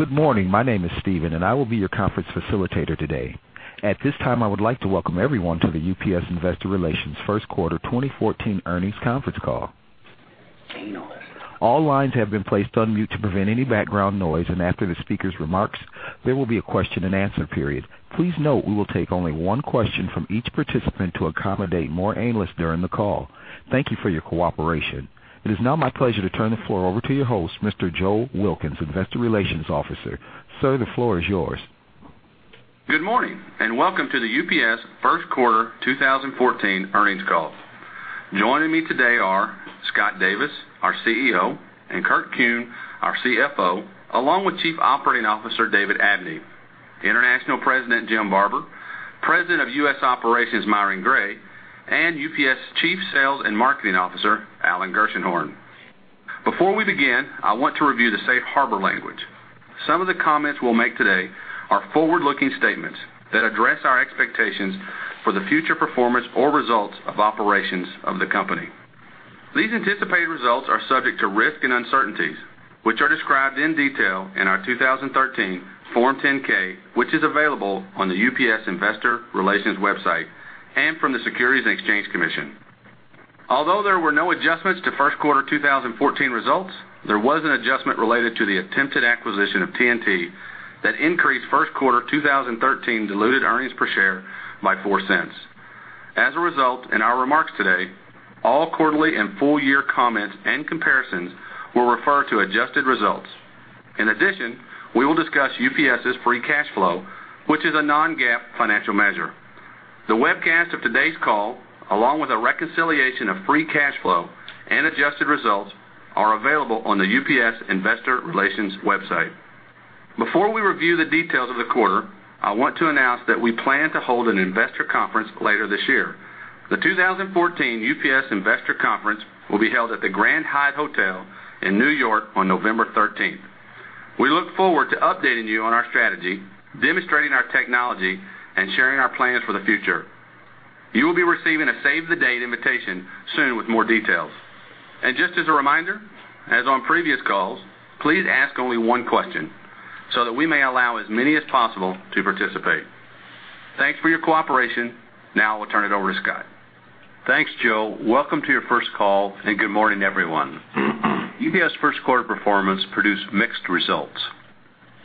Good morning. My name is Steven, and I will be your conference facilitator today. At this time, I would like to welcome everyone to the UPS Investor Relations first quarter 2014 earnings conference call. All lines have been placed on mute to prevent any background noise, and after the speaker's remarks, there will be a question-and-answer period. Please note, we will take only one question from each participant to accommodate more analysts during the call. Thank you for your cooperation. It is now my pleasure to turn the floor over to your host, Mr. Joe Wilkins, Investor Relations Officer. Sir, the floor is yours. Good morning, and welcome to the UPS first quarter 2014 earnings call. Joining me today are Scott Davis, our CEO, and Kurt Kuehn, our CFO, along with Chief Operating Officer, David Abney, International President, Jim Barber, President of U.S. Operations, Myron Gray, and UPS Chief Sales and Marketing Officer, Alan Gershenhorn. Before we begin, I want to review the Safe Harbor language. Some of the comments we'll make today are forward-looking statements that address our expectations for the future performance or results of operations of the company. These anticipated results are subject to risk and uncertainties, which are described in detail in our 2013 Form 10-K, which is available on the UPS Investor Relations website and from the Securities and Exchange Commission. Although there were no adjustments to first quarter 2014 results, there was an adjustment related to the attempted acquisition of TNT that increased first quarter 2013 diluted earnings per share by $0.04. As a result, in our remarks today, all quarterly and full-year comments and comparisons will refer to adjusted results. In addition, we will discuss UPS's free cash flow, which is a non-GAAP financial measure. The webcast of today's call, along with a reconciliation of free cash flow and adjusted results, are available on the UPS Investor Relations website. Before we review the details of the quarter, I want to announce that we plan to hold an investor conference later this year. The 2014 UPS Investor Conference will be held at the Grand Hyatt Hotel in New York on November 13th. We look forward to updating you on our strategy, demonstrating our technology, and sharing our plans for the future. You will be receiving a Save the Date invitation soon with more details. Just as a reminder, as on previous calls, please ask only one question, so that we may allow as many as possible to participate. Thanks for your cooperation. Now I will turn it over to Scott. Thanks, Joe. Welcome to your first call, and good morning, everyone. UPS first quarter performance produced mixed results.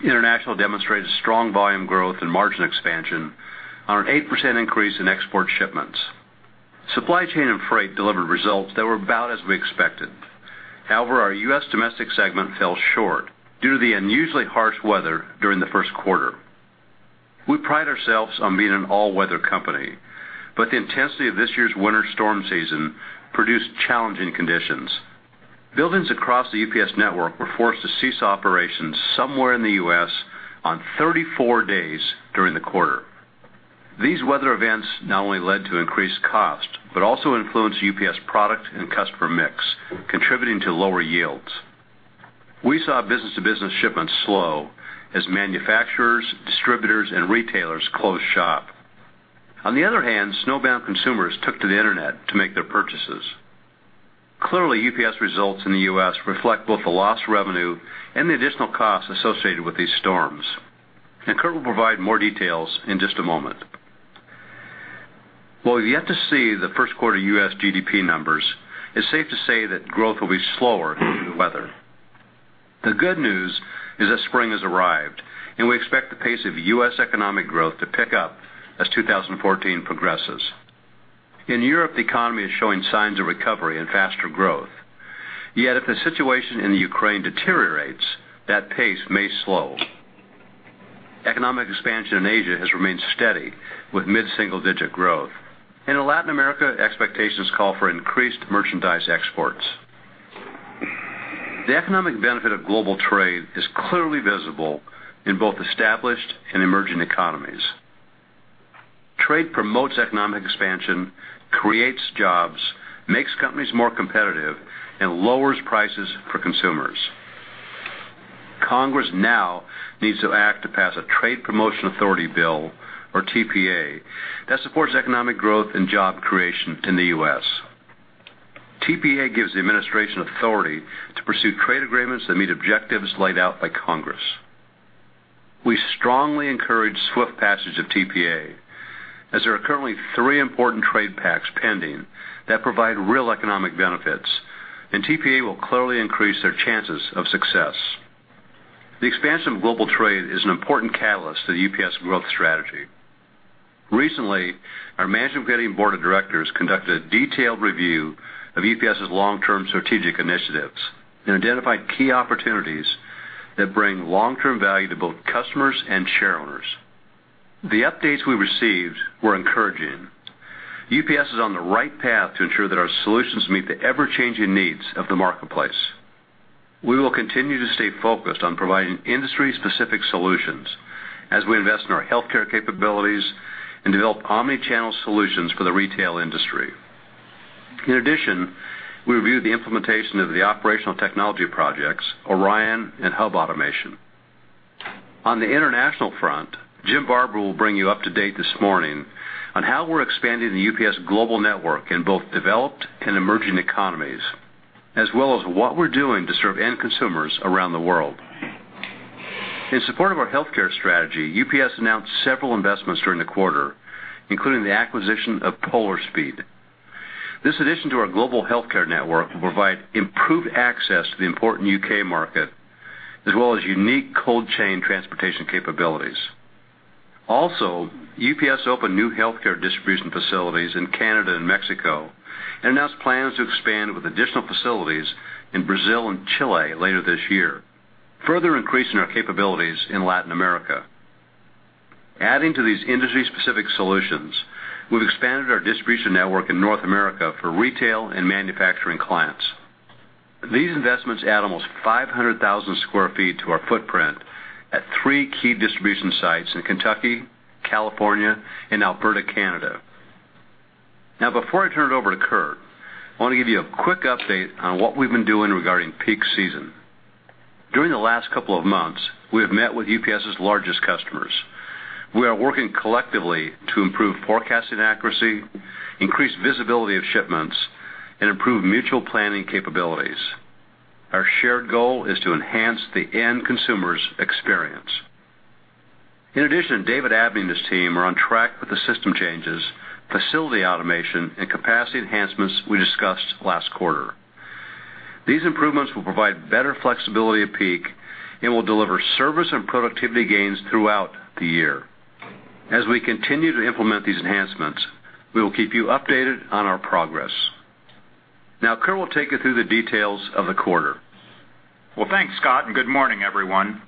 International demonstrated strong volume growth and margin expansion on an 8% increase in export shipments. Supply chain and freight delivered results that were about as we expected. However, our U.S. domestic segment fell short due to the unusually harsh weather during the first quarter. We pride ourselves on being an all-weather company, but the intensity of this year's winter storm season produced challenging conditions. Buildings across the UPS network were forced to cease operations somewhere in the U.S. on 34 days during the quarter. These weather events not only led to increased costs, but also influenced UPS product and customer mix, contributing to lower yields. We saw business-to-business shipments slow as manufacturers, distributors, and retailers closed shop. On the other hand, snowbound consumers took to the internet to make their purchases. Clearly, UPS results in the U.S. reflect both the lost revenue and the additional costs associated with these storms, and Kurt will provide more details in just a moment. While we've yet to see the first quarter U.S. GDP numbers, it's safe to say that growth will be slower due to the weather. The good news is that spring has arrived, and we expect the pace of U.S. economic growth to pick up as 2014 progresses. In Europe, the economy is showing signs of recovery and faster growth. Yet, if the situation in Ukraine deteriorates, that pace may slow. Economic expansion in Asia has remained steady, with mid-single-digit growth. In Latin America, expectations call for increased merchandise exports. The economic benefit of global trade is clearly visible in both established and emerging economies. Trade promotes economic expansion, creates jobs, makes companies more competitive, and lowers prices for consumers. Congress now needs to act to pass a Trade Promotion Authority bill, or TPA, that supports economic growth and job creation in the US. TPA gives the administration authority to pursue trade agreements that meet objectives laid out by Congress. We strongly encourage swift passage of TPA, as there are currently three important trade pacts pending that provide real economic benefits, and TPA will clearly increase their chances of success. The expansion of global trade is an important catalyst to the UPS growth strategy. Recently, our Management Committee and Board of Directors conducted a detailed review of UPS's long-term strategic initiatives and identified key opportunities that bring long-term value to both customers and shareowners. The updates we received were encouraging. UPS is on the right path to ensure that our solutions meet the ever-changing needs of the marketplace. We will continue to stay focused on providing industry-specific solutions as we invest in our healthcare capabilities and develop omni-channel solutions for the retail industry. In addition, we reviewed the implementation of the operational technology projects, ORION and Hub Automation. On the international front, Jim Barber will bring you up to date this morning on how we're expanding the UPS global network in both developed and emerging economies... as well as what we're doing to serve end consumers around the world. In support of our healthcare strategy, UPS announced several investments during the quarter, including the acquisition of Polar Speed. This addition to our global healthcare network will provide improved access to the important UK market, as well as unique cold chain transportation capabilities. Also, UPS opened new healthcare distribution facilities in Canada and Mexico, and announced plans to expand with additional facilities in Brazil and Chile later this year, further increasing our capabilities in Latin America. Adding to these industry-specific solutions, we've expanded our distribution network in North America for retail and manufacturing clients. These investments add almost 500,000 sq ft to our footprint at three key distribution sites in Kentucky, California, and Alberta, Canada. Now, before I turn it over to Kurt, I want to give you a quick update on what we've been doing regarding peak season. During the last couple of months, we have met with UPS's largest customers. We are working collectively to improve forecasting accuracy, increase visibility of shipments, and improve mutual planning capabilities. Our shared goal is to enhance the end consumer's experience. In addition, David Abney and his team are on track with the system changes, facility automation, and capacity enhancements we discussed last quarter. These improvements will provide better flexibility at peak and will deliver service and productivity gains throughout the year. As we continue to implement these enhancements, we will keep you updated on our progress. Now, Kurt will take you through the details of the quarter. Well, thanks, Scott, and good morning, everyone.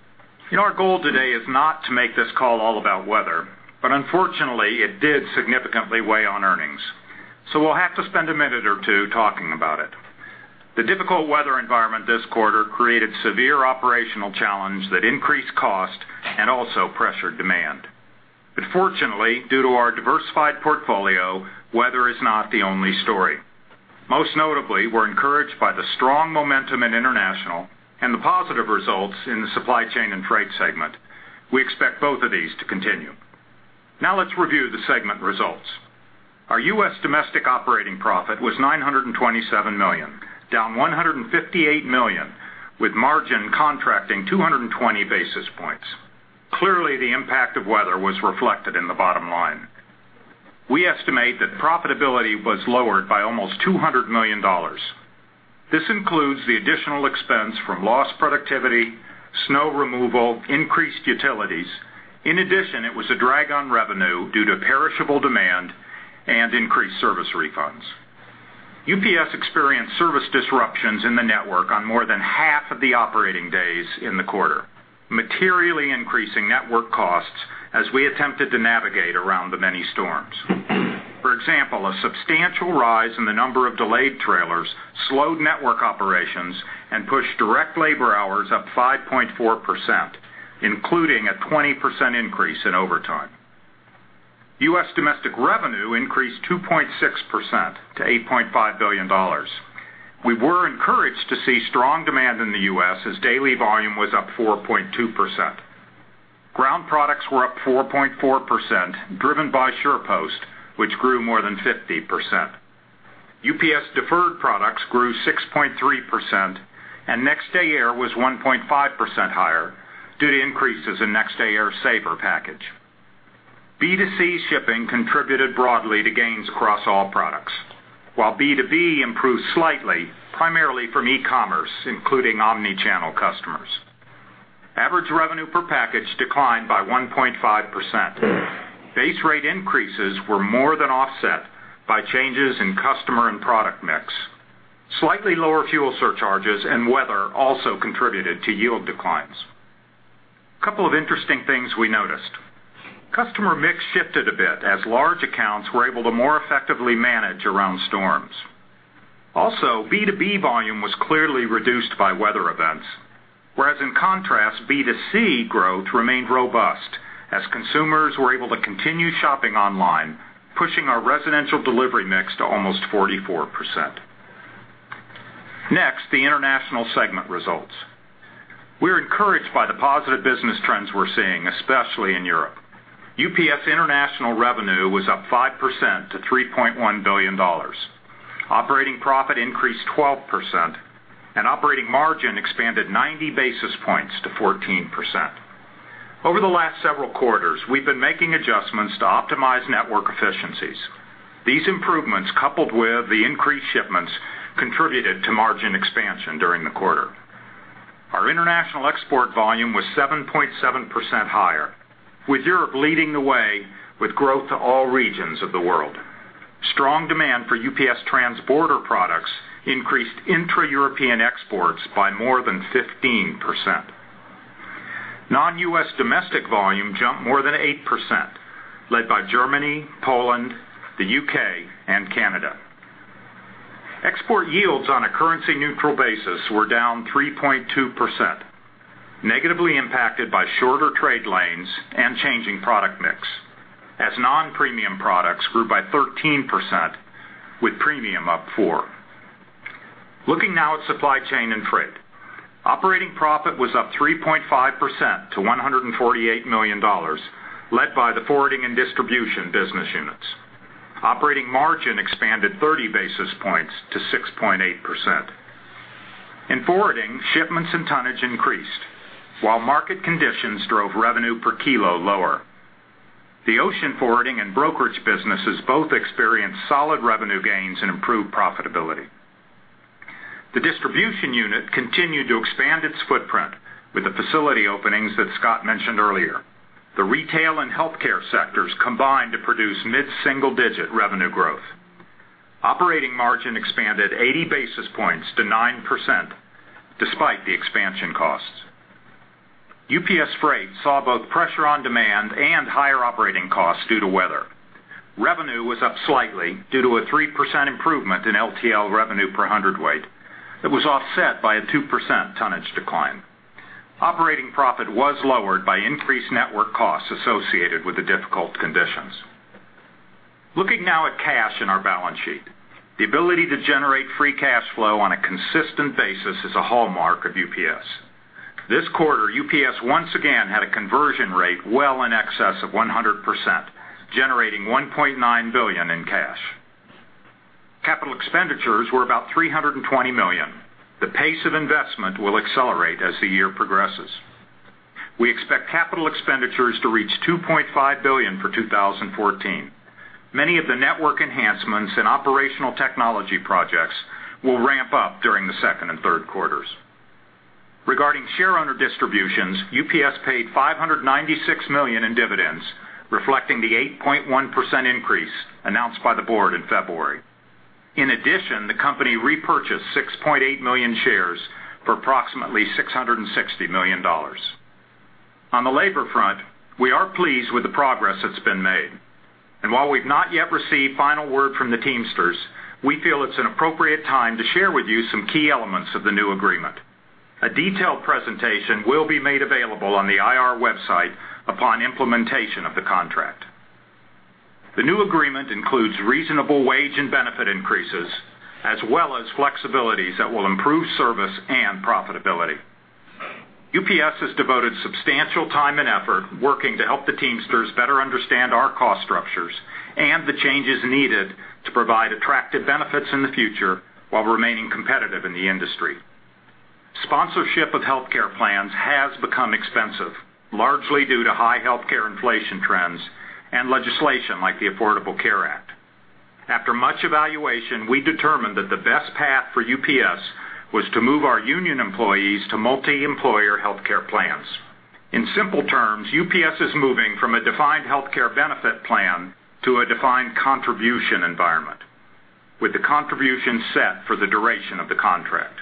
You know, our goal today is not to make this call all about weather, but unfortunately, it did significantly weigh on earnings, so we'll have to spend a minute or two talking about it. The difficult weather environment this quarter created severe operational challenges that increased costs and also pressured demand. But fortunately, due to our diversified portfolio, weather is not the only story. Most notably, we're encouraged by the strong momentum in international and the positive results in the supply chain and freight segment. We expect both of these to continue. Now, let's review the segment results. Our U.S. domestic operating profit was $927 million, down $158 million, with margin contracting 220 basis points. Clearly, the impact of weather was reflected in the bottom line. We estimate that profitability was lowered by almost $200 million. This includes the additional expense from lost productivity, snow removal, increased utilities. In addition, it was a drag on revenue due to perishable demand and increased service refunds. UPS experienced service disruptions in the network on more than half of the operating days in the quarter, materially increasing network costs as we attempted to navigate around the many storms. For example, a substantial rise in the number of delayed trailers slowed network operations and pushed direct labor hours up 5.4%, including a 20% increase in overtime. US domestic revenue increased 2.6% to $8.5 billion. We were encouraged to see strong demand in the US, as daily volume was up 4.2%. Ground products were up 4.4%, driven by SurePost, which grew more than 50%. UPS deferred products grew 6.3%, and Next Day Air was 1.5% higher, due to increases in Next Day Air Saver package. B2C shipping contributed broadly to gains across all products, while B2B improved slightly, primarily from e-commerce, including omni-channel customers. Average revenue per package declined by 1.5%. Base rate increases were more than offset by changes in customer and product mix. Slightly lower fuel surcharges and weather also contributed to yield declines. A couple of interesting things we noticed. Customer mix shifted a bit as large accounts were able to more effectively manage around storms. Also, B2B volume was clearly reduced by weather events, whereas in contrast, B2C growth remained robust as consumers were able to continue shopping online, pushing our residential delivery mix to almost 44%. Next, the international segment results. We're encouraged by the positive business trends we're seeing, especially in Europe. UPS international revenue was up 5% to $3.1 billion. Operating profit increased 12%, and operating margin expanded 90 basis points to 14%. Over the last several quarters, we've been making adjustments to optimize network efficiencies. These improvements, coupled with the increased shipments, contributed to margin expansion during the quarter. Our international export volume was 7.7% higher, with Europe leading the way with growth to all regions of the world. Strong demand for UPS transborder products increased intra-European exports by more than 15%. Non-US domestic volume jumped more than 8%, led by Germany, Poland, the UK, and Canada. Export yields on a currency-neutral basis were down 3.2%, negatively impacted by shorter trade lanes and changing product mix, as non-premium products grew by 13%, with premium up 4%. Looking now at supply chain and freight. Operating profit was up 3.5% to $148 million, led by the forwarding and distribution business units. Operating margin expanded 30 basis points to 6.8%. In forwarding, shipments and tonnage increased, while market conditions drove revenue per kilo lower. The ocean forwarding and brokerage businesses both experienced solid revenue gains and improved profitability. The distribution unit continued to expand its footprint with the facility openings that Scott mentioned earlier. The retail and healthcare sectors combined to produce mid-single-digit revenue growth. Operating margin expanded 80 basis points to 9%, despite the expansion costs. UPS Freight saw both pressure on demand and higher operating costs due to weather. Revenue was up slightly due to a 3% improvement in LTL revenue per hundredweight that was offset by a 2% tonnage decline. Operating profit was lowered by increased network costs associated with the difficult conditions. Looking now at cash in our balance sheet, the ability to generate free cash flow on a consistent basis is a hallmark of UPS. This quarter, UPS once again had a conversion rate well in excess of 100%, generating $1.9 billion in cash. Capital expenditures were about $320 million. The pace of investment will accelerate as the year progresses. We expect capital expenditures to reach $2.5 billion for 2014. Many of the network enhancements and operational technology projects will ramp up during the second and third quarters. Regarding shareowner distributions, UPS paid $596 million in dividends, reflecting the 8.1% increase announced by the board in February. In addition, the company repurchased 6.8 million shares for approximately $660 million. On the labor front, we are pleased with the progress that's been made, and while we've not yet received final word from the Teamsters, we feel it's an appropriate time to share with you some key elements of the new agreement. A detailed presentation will be made available on the IR website upon implementation of the contract. The new agreement includes reasonable wage and benefit increases, as well as flexibilities that will improve service and profitability. UPS has devoted substantial time and effort working to help the Teamsters better understand our cost structures and the changes needed to provide attractive benefits in the future while remaining competitive in the industry. Sponsorship of healthcare plans has become expensive, largely due to high healthcare inflation trends and legislation like the Affordable Care Act. After much evaluation, we determined that the best path for UPS was to move our union employees to multi-employer healthcare plans. In simple terms, UPS is moving from a defined healthcare benefit plan to a defined contribution environment, with the contribution set for the duration of the contract.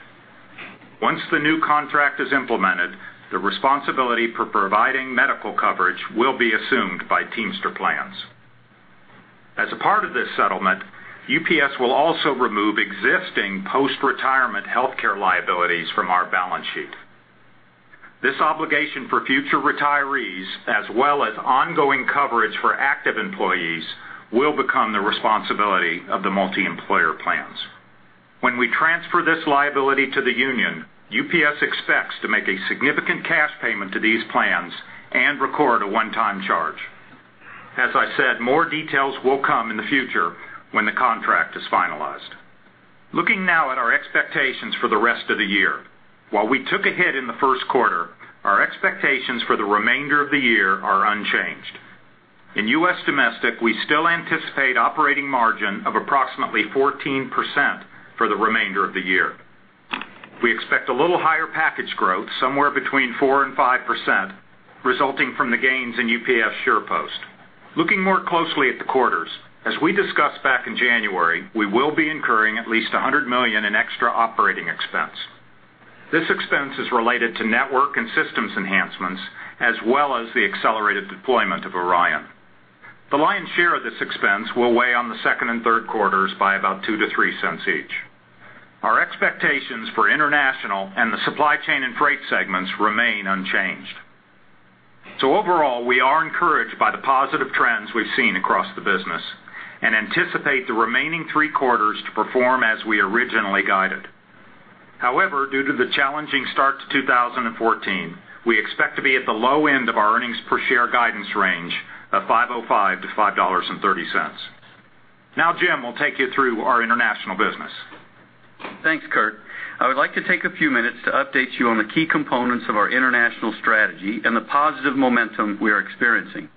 Once the new contract is implemented, the responsibility for providing medical coverage will be assumed by Teamster plans. As a part of this settlement, UPS will also remove existing post-retirement healthcare liabilities from our balance sheet. This obligation for future retirees, as well as ongoing coverage for active employees, will become the responsibility of the multi-employer plans. When we transfer this liability to the union, UPS expects to make a significant cash payment to these plans and record a one-time charge. As I said, more details will come in the future when the contract is finalized. Looking now at our expectations for the rest of the year. While we took a hit in the first quarter, our expectations for the remainder of the year are unchanged. In U.S. Domestic, we still anticipate operating margin of approximately 14% for the remainder of the year. We expect a little higher package growth, somewhere between 4% and 5%, resulting from the gains in UPS SurePost. Looking more closely at the quarters, as we discussed back in January, we will be incurring at least $100 million in extra operating expense. This expense is related to network and systems enhancements, as well as the accelerated deployment of ORION. The lion's share of this expense will weigh on the second and third quarters by about $0.02-$0.03 each. Our expectations for International and the Supply Chain and Freight segments remain unchanged. So overall, we are encouraged by the positive trends we've seen across the business and anticipate the remaining three quarters to perform as we originally guided. However, due to the challenging start to 2014, we expect to be at the low end of our earnings per share guidance range of $5.05-$5.30. Now, Jim will take you through our international business. Thanks, Kurt. I would like to take a few minutes to update you on the key components of our international strategy and the positive momentum we are experiencing.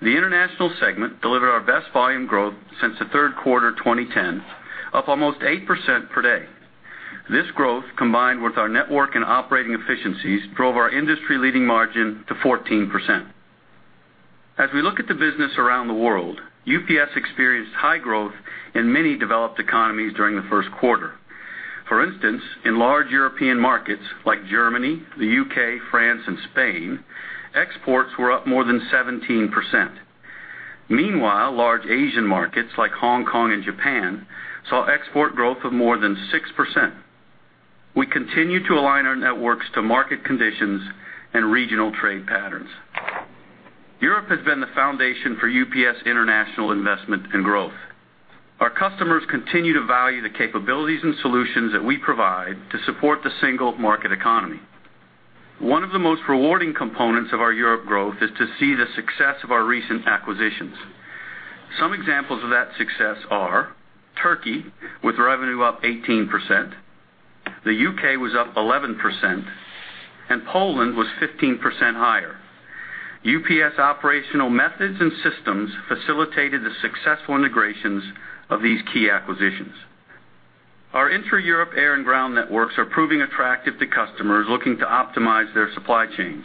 The International segment delivered our best volume growth since the third quarter of 2010, up almost 8% per day. This growth, combined with our network and operating efficiencies, drove our industry-leading margin to 14%. As we look at the business around the world, UPS experienced high growth in many developed economies during the first quarter. For instance, in large European markets like Germany, the UK, France, and Spain, exports were up more than 17%. Meanwhile, large Asian markets, like Hong Kong and Japan, saw export growth of more than 6%. We continue to align our networks to market conditions and regional trade patterns. Europe has been the foundation for UPS international investment and growth. Our customers continue to value the capabilities and solutions that we provide to support the single market economy. One of the most rewarding components of our Europe growth is to see the success of our recent acquisitions. Some examples of that success are: Turkey, with revenue up 18%, the UK was up 11%, and Poland was 15% higher. UPS operational methods and systems facilitated the successful integrations of these key acquisitions. Our intra-Europe air and ground networks are proving attractive to customers looking to optimize their supply chains.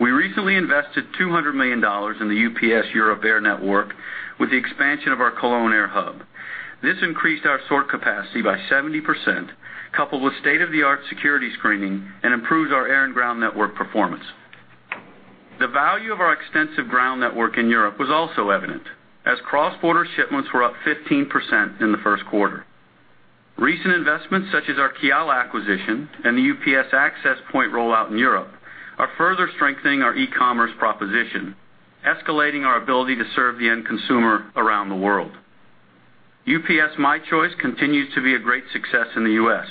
We recently invested $200 million in the UPS Europe Air Network with the expansion of our Cologne air hub. This increased our sort capacity by 70%, coupled with state-of-the-art security screening, and improves our air and ground network performance. The value of our extensive ground network in Europe was also evident, as cross-border shipments were up 15% in the first quarter. Recent investments, such as our Kiala acquisition and the UPS Access Point rollout in Europe, are further strengthening our e-commerce proposition, escalating our ability to serve the end consumer around the world. UPS My Choice continues to be a great success in the U.S.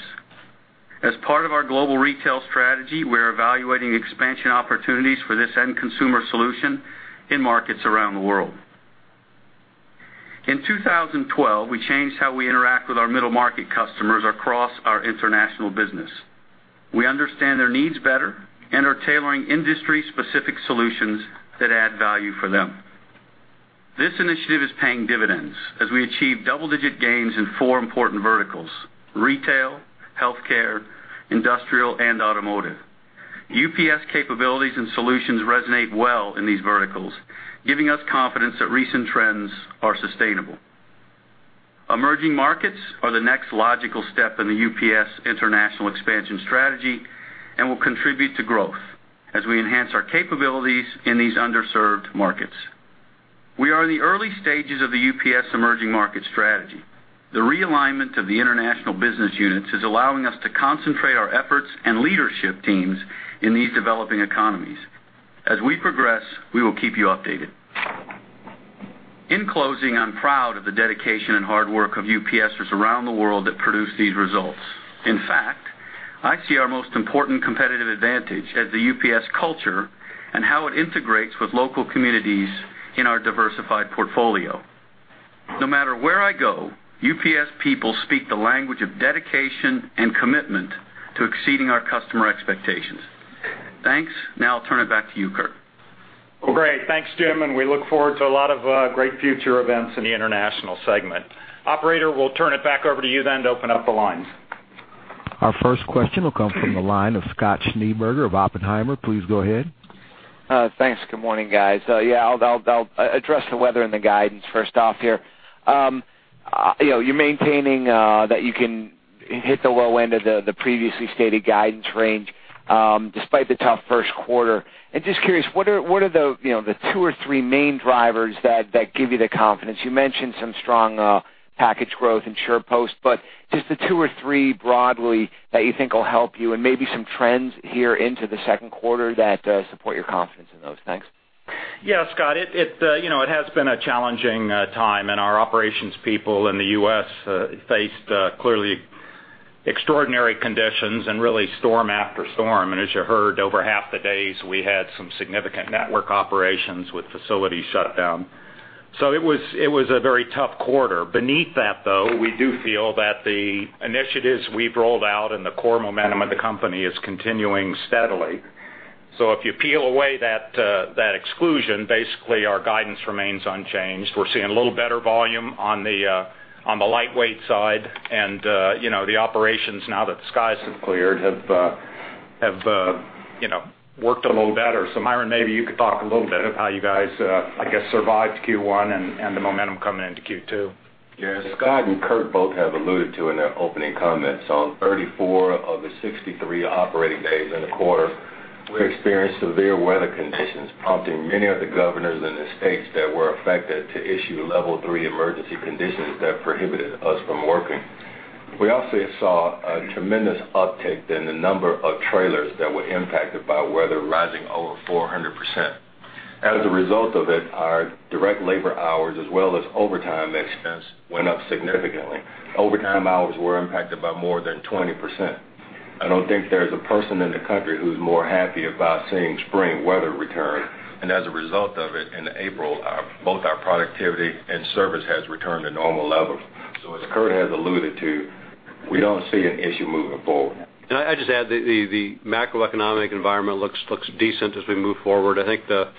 As part of our global retail strategy, we're evaluating expansion opportunities for this end consumer solution in markets around the world. In 2012, we changed how we interact with our middle-market customers across our international business. We understand their needs better and are tailoring industry-specific solutions that add value for them. This initiative is paying dividends as we achieve double-digit gains in four important verticals: retail, healthcare, industrial, and automotive. UPS capabilities and solutions resonate well in these verticals, giving us confidence that recent trends are sustainable. Emerging markets are the next logical step in the UPS international expansion strategy and will contribute to growth as we enhance our capabilities in these underserved markets. We are in the early stages of the UPS emerging market strategy. The realignment of the international business units is allowing us to concentrate our efforts and leadership teams in these developing economies. As we progress, we will keep you updated. In closing, I'm proud of the dedication and hard work of UPSers around the world that produce these results. In fact, I see our most important competitive advantage as the UPS culture and how it integrates with local communities in our diversified portfolio. No matter where I go, UPS people speak the language of dedication and commitment to exceeding our customer expectations. Thanks. Now I'll turn it back to you, Kurt. Well, great. Thanks, Jim, and we look forward to a lot of great future events in the international segment. Operator, we'll turn it back over to you, then, to open up the lines. Our first question will come from the line of Scott Schneeberger of Oppenheimer. Please go ahead. Thanks. Good morning, guys. Yeah, I'll address the weather and the guidance first off here. You know, you're maintaining that you can hit the low end of the previously stated guidance range, despite the tough first quarter. Just curious, what are the, you know, the two or three main drivers that give you the confidence? You mentioned some strong package growth in SurePost, but just the two or three broadly that you think will help you, and maybe some trends here into the second quarter that support your confidence in those. Thanks. Yeah, Scott, you know, it has been a challenging time, and our operations people in the U.S. faced clearly extraordinary conditions and really storm after storm. As you heard, over half the days, we had some significant network operations with facilities shut down. So it was a very tough quarter. Beneath that, though, we do feel that the initiatives we've rolled out and the core momentum of the company is continuing steadily. So if you peel away that exclusion, basically, our guidance remains unchanged. We're seeing a little better volume on the lightweight side, and, you know, the operations, now that the skies have cleared, have worked a little better. Myron, maybe you could talk a little bit of how you guys, I guess, survived Q1 and the momentum coming into Q2. Yes, Scott and Kurt both have alluded to in their opening comments, on 34 of the 63 operating days in the quarter, we experienced severe weather conditions, prompting many of the governors in the states that were affected to issue Level 3 emergency conditions that prohibited us from working. We also saw a tremendous uptick in the number of trailers that were impacted by weather, rising over 400%. As a result of it, our direct labor hours, as well as overtime expense, went up significantly. Overtime hours were impacted by more than 20%. I don't think there's a person in the country who's more happy about seeing spring weather return, and as a result of it, in April, both our productivity and service has returned to normal levels. So as Kurt has alluded to, we don't see an issue moving forward. I'd just add the macroeconomic environment looks decent as we move forward. I think the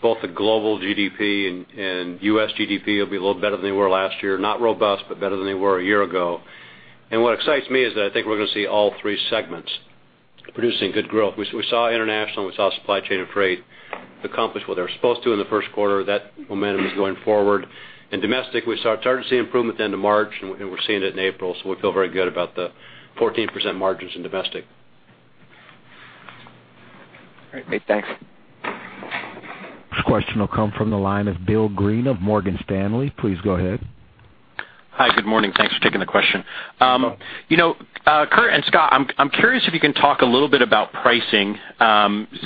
both the global GDP and US GDP will be a little better than they were last year. Not robust, but better than they were a year ago. And what excites me is that I think we're going to see all three segments producing good growth. We saw international, and we saw supply chain and freight accomplish what they were supposed to in the first quarter. That momentum is going forward. In domestic, we started to see improvement at the end of March, and we're seeing it in April, so we feel very good about the 14% margins in domestic. Great. Thanks. This question will come from the line of William Greene of Morgan Stanley. Please go ahead. Hi, good morning. Thanks for taking the question. You know, Kurt and Scott, I'm curious if you can talk a little bit about pricing.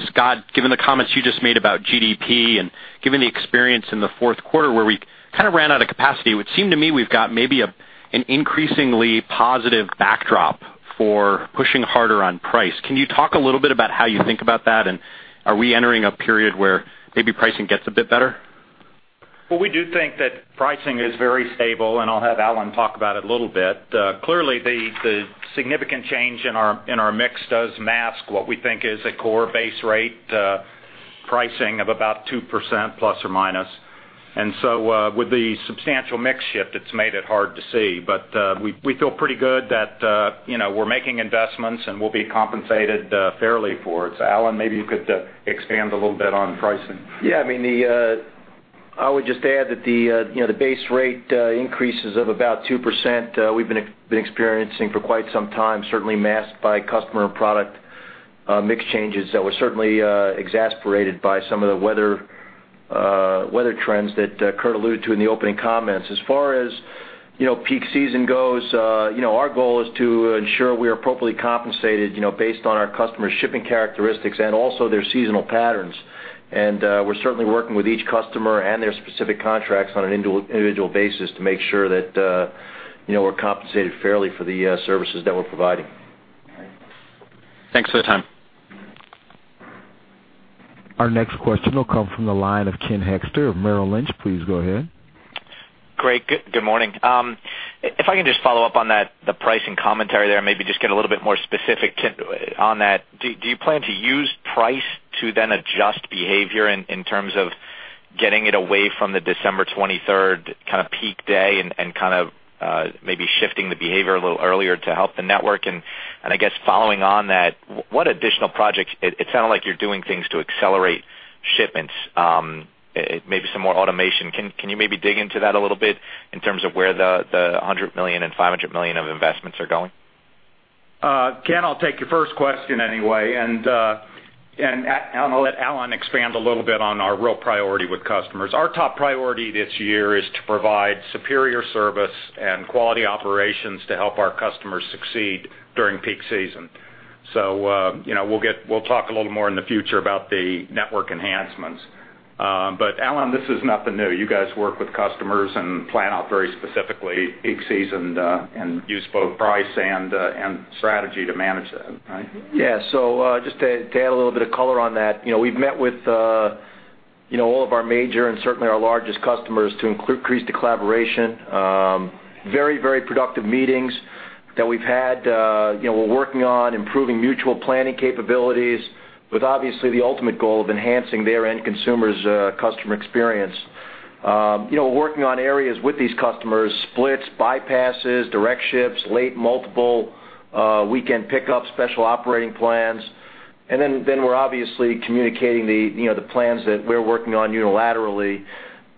Scott, given the comments you just made about GDP and given the experience in the fourth quarter, where we kind of ran out of capacity, it would seem to me we've got maybe an increasingly positive backdrop for pushing harder on price. Can you talk a little bit about how you think about that? And are we entering a period where maybe pricing gets a bit better? Well, we do think that pricing is very stable, and I'll have Alan talk about it a little bit. Clearly, the significant change in our mix does mask what we think is a core base rate pricing of about 2%, ±. And so, with the substantial mix shift, it's made it hard to see. But, we feel pretty good that, you know, we're making investments, and we'll be compensated fairly for it. So Alan, maybe you could expand a little bit on pricing. Yeah, I mean, I would just add that, you know, the base rate increases of about 2% we've been experiencing for quite some time, certainly masked by customer and product mix changes that were certainly exacerbated by some of the weather trends that Kurt alluded to in the opening comments. As far as, you know, peak season goes, you know, our goal is to ensure we are appropriately compensated, you know, based on our customers' shipping characteristics and also their seasonal patterns. And we're certainly working with each customer and their specific contracts on an individual basis to make sure that, you know, we're compensated fairly for the services that we're providing. Thanks for the time. Our next question will come from the line of Ken Hoexter of Merrill Lynch. Please go ahead. Great. Good, good morning. If I can just follow up on that, the pricing commentary there, and maybe just get a little bit more specific to, on that. Do you plan to use price to then adjust behavior in terms of getting it away from the December 23rd kind of peak day and kind of maybe shifting the behavior a little earlier to help the network? And I guess following on that, what additional projects... It sounded like you're doing things to accelerate shipments, maybe some more automation. Can you maybe dig into that a little bit in terms of where the $100 million and $500 million of investments are going? Ken, I'll take your first question anyway, and and I'm going to let Alan expand a little bit on our real priority with customers. Our top priority this year is to provide superior service and quality operations to help our customers succeed during peak season. So, you know, we'll talk a little more in the future about the network enhancements. But Alan, this is nothing new. You guys work with customers and plan out very specifically peak season, and use both price and strategy to manage that, right? Yeah. So, just to add a little bit of color on that, you know, we've met with all of our major and certainly our largest customers to increase the collaboration. Very, very productive meetings that we've had. You know, we're working on improving mutual planning capabilities, with obviously the ultimate goal of enhancing their end consumers' customer experience. You know, working on areas with these customers, splits, bypasses, direct ships, late multiple weekend pickup, special operating plans. And then we're obviously communicating the plans that we're working on unilaterally,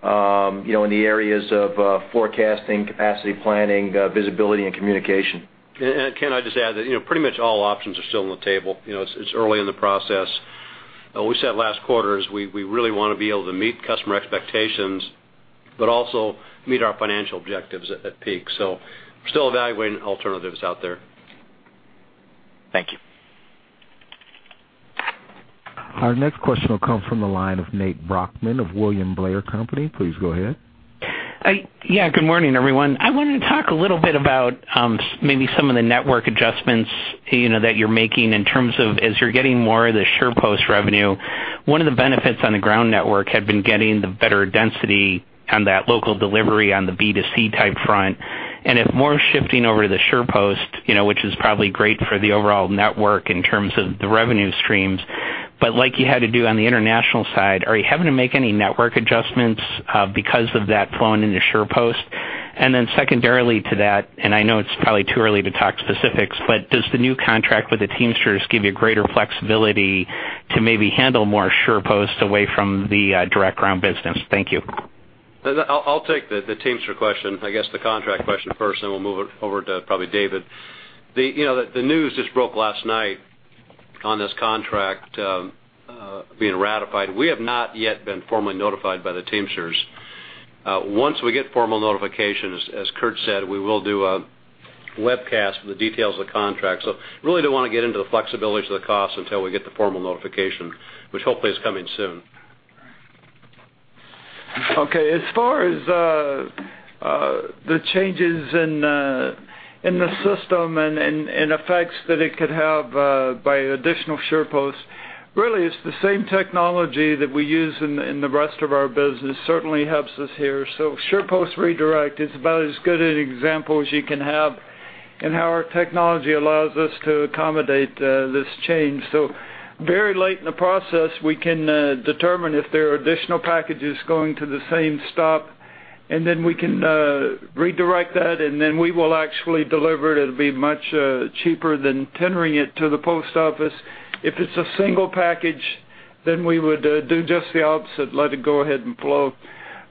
you know, in the areas of forecasting, capacity planning, visibility, and communication. Ken, I'd just add that, you know, pretty much all options are still on the table. You know, it's early in the process. We said last quarter we really want to be able to meet customer expectations, but also meet our financial objectives at peak. So we're still evaluating alternatives out there. Thank you. Our next question will come from the line of Nate Brochmann of William Blair & Company. Please go ahead. Good morning, everyone. I wanted to talk a little bit about, maybe some of the network adjustments, you know, that you're making in terms of as you're getting more of the SurePost revenue, one of the benefits on the ground network had been getting the better density on that local delivery on the B2C-type front. And if more shifting over to the SurePost, you know, which is probably great for the overall network in terms of the revenue streams, but like you had to do on the international side, are you having to make any network adjustments, because of that flowing into SurePost? And then secondarily to that, and I know it's probably too early to talk specifics, but does the new contract with the Teamsters give you greater flexibility to maybe handle more SurePost away from the, direct ground business? Thank you. I'll take the Teamsters question, I guess, the contract question first, and we'll move it over to probably David. You know, the news just broke last night on this contract being ratified. We have not yet been formally notified by the Teamsters. Once we get formal notifications, as Kurt said, we will do a webcast for the details of the contract. So really don't want to get into the flexibilities of the cost until we get the formal notification, which hopefully is coming soon. Okay, as far as the changes in the system and effects that it could have by additional SurePosts, really, it's the same technology that we use in the rest of our business, certainly helps us here. So SurePost Redirect is about as good an example as you can have in how our technology allows us to accommodate this change. So very late in the process, we can determine if there are additional packages going to the same stop, and then we can redirect that, and then we will actually deliver it. It'll be much cheaper than tendering it to the post office. If it's a single package, then we would do just the opposite, let it go ahead and flow.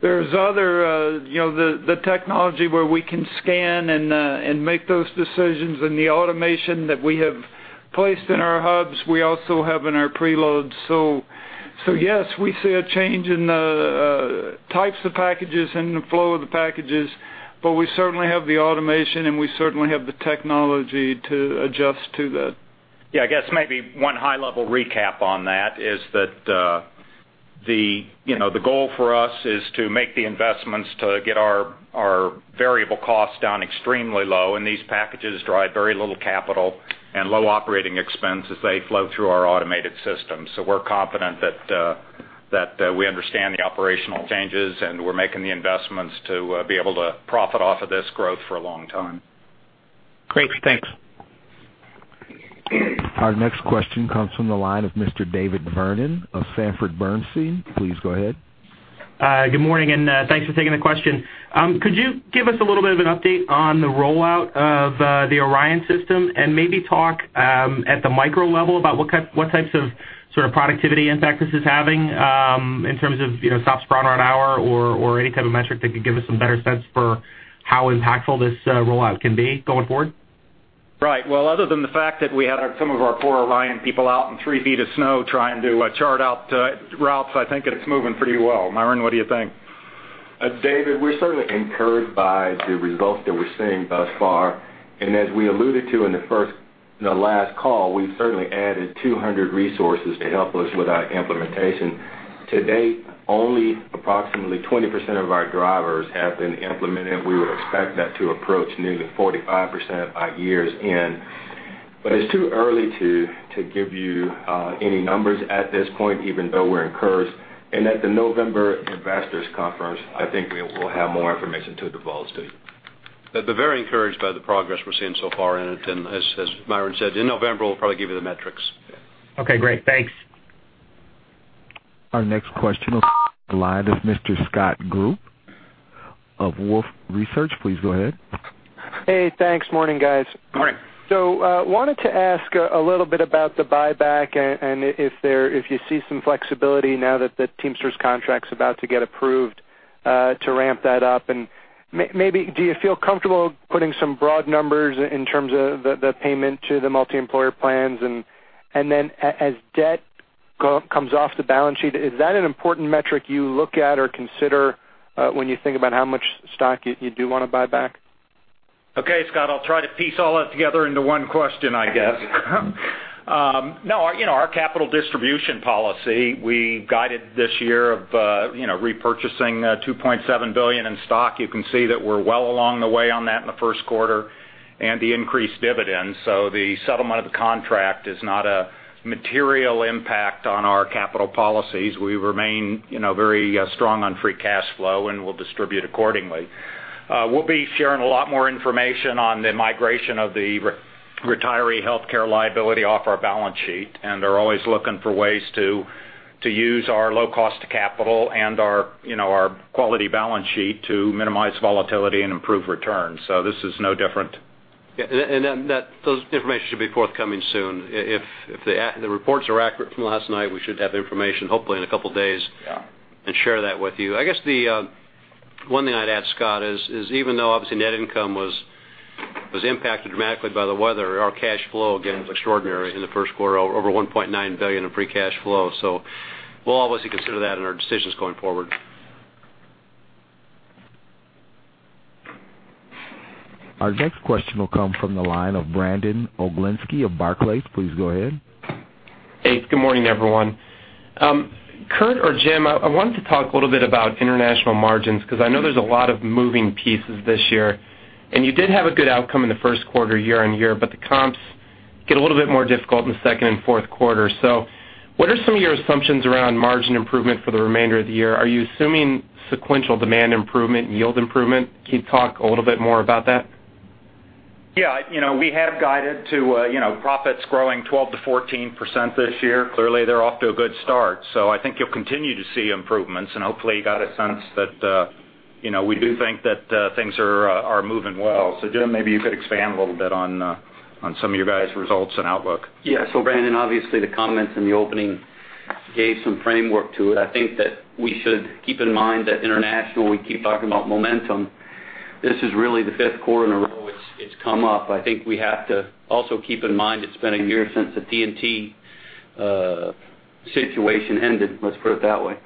There's other, you know, the technology where we can scan and make those decisions and the automation that we have placed in our hubs, we also have in our preloads. So- ...So yes, we see a change in the types of packages and the flow of the packages, but we certainly have the automation, and we certainly have the technology to adjust to that. Yeah, I guess maybe one high-level recap on that is that, you know, the goal for us is to make the investments to get our variable costs down extremely low, and these packages drive very little capital and low operating expense as they flow through our automated system. So we're confident that we understand the operational changes, and we're making the investments to be able to profit off of this growth for a long time. Great. Thanks. Our next question comes from the line of Mr. David Vernon of Sanford C. Bernstein. Please go ahead. Good morning, and thanks for taking the question. Could you give us a little bit of an update on the rollout of the ORION system, and maybe talk at the micro level about what type, what types of sort of productivity impact this is having, in terms of, you know, stops per hour an hour or any type of metric that could give us some better sense for how impactful this rollout can be going forward? Right. Well, other than the fact that we had some of our poor ORION people out in three feet of snow trying to chart out routes, I think it's moving pretty well. Myron, what do you think? David, we're certainly encouraged by the results that we're seeing thus far. And as we alluded to in the last call, we've certainly added 200 resources to help us with our implementation. To date, only approximately 20% of our drivers have been implemented. We would expect that to approach nearly 45% by year's end. But it's too early to give you any numbers at this point, even though we're encouraged. And at the November investors conference, I think we will have more information to divulge to you. But we're very encouraged by the progress we're seeing so far in it. And as Myron said, in November, we'll probably give you the metrics. Okay, great. Thanks. Our next question on the line is Mr. Scott Group of Wolfe Research. Please go ahead. Hey, thanks. Morning, guys. Morning. So, wanted to ask a little bit about the buyback and if you see some flexibility now that the Teamsters contract's about to get approved to ramp that up. And maybe do you feel comfortable putting some broad numbers in terms of the payment to the multi-employer plans? And then as debt comes off the balance sheet, is that an important metric you look at or consider when you think about how much stock you do want to buy back? Okay, Scott, I'll try to piece all that together into one question, I guess. No, you know, our capital distribution policy, we guided this year of, you know, repurchasing $2.7 billion in stock. You can see that we're well along the way on that in the first quarter and the increased dividends. So the settlement of the contract is not a material impact on our capital policies. We remain, you know, very strong on free cash flow, and we'll distribute accordingly. We'll be sharing a lot more information on the migration of the retiree healthcare liability off our balance sheet, and they're always looking for ways to use our low cost of capital and our, you know, our quality balance sheet to minimize volatility and improve returns. So this is no different. Yeah, and that, those information should be forthcoming soon. If the reports are accurate from last night, we should have the information hopefully in a couple of days- Yeah - and share that with you. I guess the one thing I'd add, Scott, is even though obviously net income was impacted dramatically by the weather, our cash flow again was extraordinary in the first quarter, over $1.9 billion in free cash flow. So we'll always consider that in our decisions going forward. Our next question will come from the line of Brandon Oglenski of Barclays. Please go ahead. Hey, good morning, everyone. Kurt or Jim, I wanted to talk a little bit about international margins, because I know there's a lot of moving pieces this year, and you did have a good outcome in the first quarter, year-on-year, but the comps get a little bit more difficult in the second and fourth quarter. So what are some of your assumptions around margin improvement for the remainder of the year? Are you assuming sequential demand improvement and yield improvement? Can you talk a little bit more about that? Yeah, you know, we have guided to, you know, profits growing 12%-14% this year. Clearly, they're off to a good start, so I think you'll continue to see improvements. Hopefully, you got a sense that, you know, we do think that, things are moving well. So Jim, maybe you could expand a little bit on, on some of your guys' results and outlook. Yeah. So Brandon, obviously, the comments in the opening gave some framework to it. I think that we should keep in mind that international, we keep talking about momentum. This is really the fifth quarter in a row it's, it's come up. I think we have to also keep in mind it's been a year since the TNT situation ended, let's put it that way.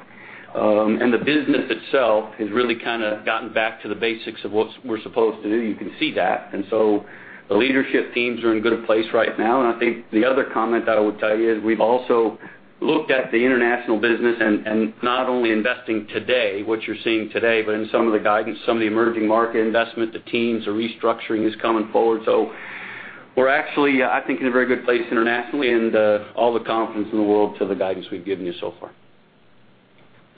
And the business itself has really kind of gotten back to the basics of what's we're supposed to do. You can see that. And so the leadership teams are in good place right now. And I think the other comment that I would tell you is, we've also looked at the international business and not only investing today, what you're seeing today, but in some of the guidance, some of the emerging market investment, the teams, the restructuring is coming forward. So we're actually, I think, in a very good place internationally and all the confidence in the world to the guidance we've given you so far.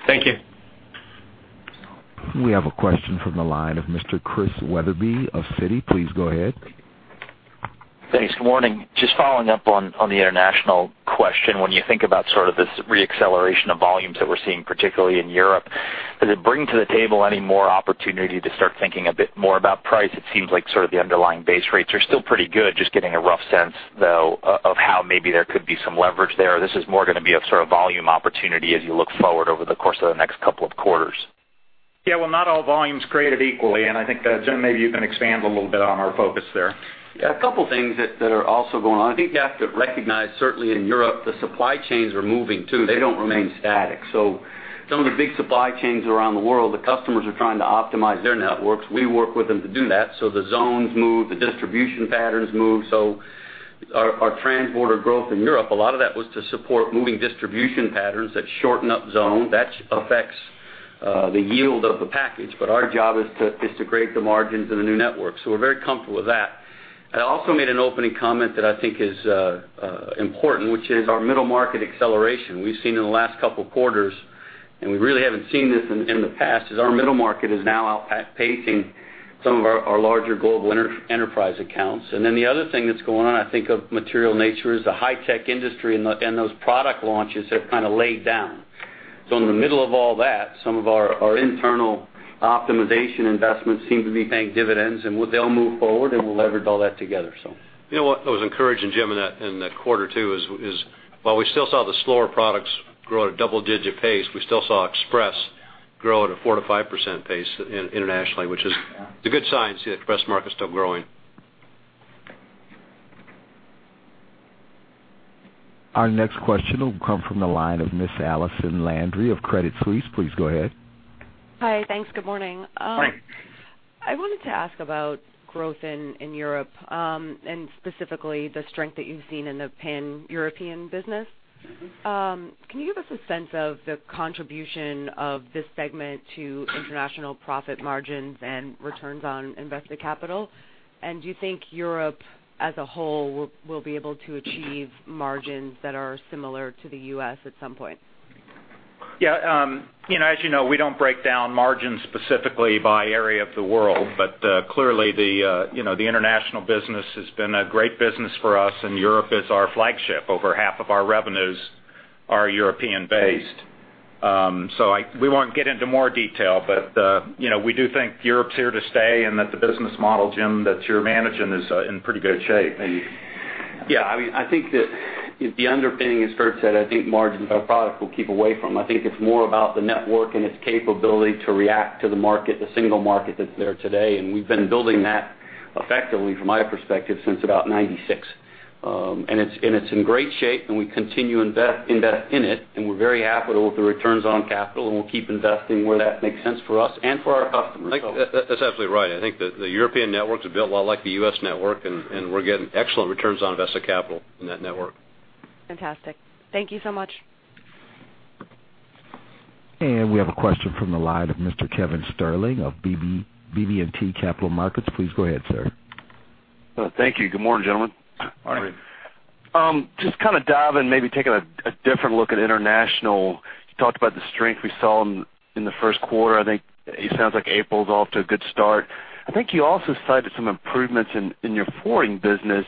Thank you. We have a question from the line of Mr. Chris Wetherbee of Citi. Please go ahead. Thanks. Good morning. Just following up on the international question. When you think about sort of this reacceleration of volumes that we're seeing, particularly in Europe, does it bring to the table any more opportunity to start thinking a bit more about price? It seems like sort of the underlying base rates are still pretty good. Just getting a rough sense, though, of how maybe there could be some leverage there. This is more going to be a sort of volume opportunity as you look forward over the course of the next couple of quarters. ... Yeah, well, not all volume is created equally, and I think that, Jim, maybe you can expand a little bit on our focus there. Yeah, a couple of things that are also going on. I think you have to recognize, certainly in Europe, the supply chains are moving, too. They don't remain static. So some of the big supply chains around the world, the customers are trying to optimize their networks. We work with them to do that, so the zones move, the distribution patterns move. So our transborder growth in Europe, a lot of that was to support moving distribution patterns that shorten up zone. That affects the yield of the package, but our job is to create the margins in the new network. So we're very comfortable with that. I also made an opening comment that I think is important, which is our middle market acceleration. We've seen in the last couple of quarters, and we really haven't seen this in, in the past, is our middle market is now outpacing some of our, our larger global enterprise accounts. And then the other thing that's going on, I think, of material nature is the high tech industry and the, and those product launches have kind of laid down. So in the middle of all that, some of our, our internal optimization investments seem to be paying dividends, and they'll move forward, and we'll leverage all that together, so. You know what? I was encouraged, and Jim, in that quarter, too, is while we still saw the slower products grow at a double-digit pace, we still saw express grow at a 4%-5% pace internationally, which is- Yeah. a good sign to see the express market still growing. Our next question will come from the line of Ms. Allison Landry of Credit Suisse. Please go ahead. Hi. Thanks. Good morning. Hi. I wanted to ask about growth in Europe, and specifically the strength that you've seen in the Pan-European business. Mm-hmm. Can you give us a sense of the contribution of this segment to international profit margins and returns on invested capital? Do you think Europe, as a whole, will be able to achieve margins that are similar to the U.S. at some point? Yeah, you know, as you know, we don't break down margins specifically by area of the world, but clearly, you know, the international business has been a great business for us, and Europe is our flagship. Over half of our revenues are European-based. So we won't get into more detail, but you know, we do think Europe's here to stay and that the business model, Jim, that you're managing is in pretty good shape. Yeah, I mean, I think that the underpinning, as Kurt said, I think margins are products we'll keep away from. I think it's more about the network and its capability to react to the market, the single market that's there today, and we've been building that effectively, from my perspective, since about 1996. And it's in great shape, and we continue to invest in it, and we're very happy with the returns on capital, and we'll keep investing where that makes sense for us and for our customers, so. That's absolutely right. I think the European networks are built a lot like the US network, and we're getting excellent returns on invested capital in that network. Fantastic. Thank you so much. We have a question from the line of Mr. Kevin Sterling of BB&T Capital Markets. Please go ahead, sir. Thank you. Good morning, gentlemen. Morning. Morning. Just kind of dive in, maybe taking a different look at international. You talked about the strength we saw in the first quarter. I think it sounds like April's off to a good start. I think you also cited some improvements in your forwarding business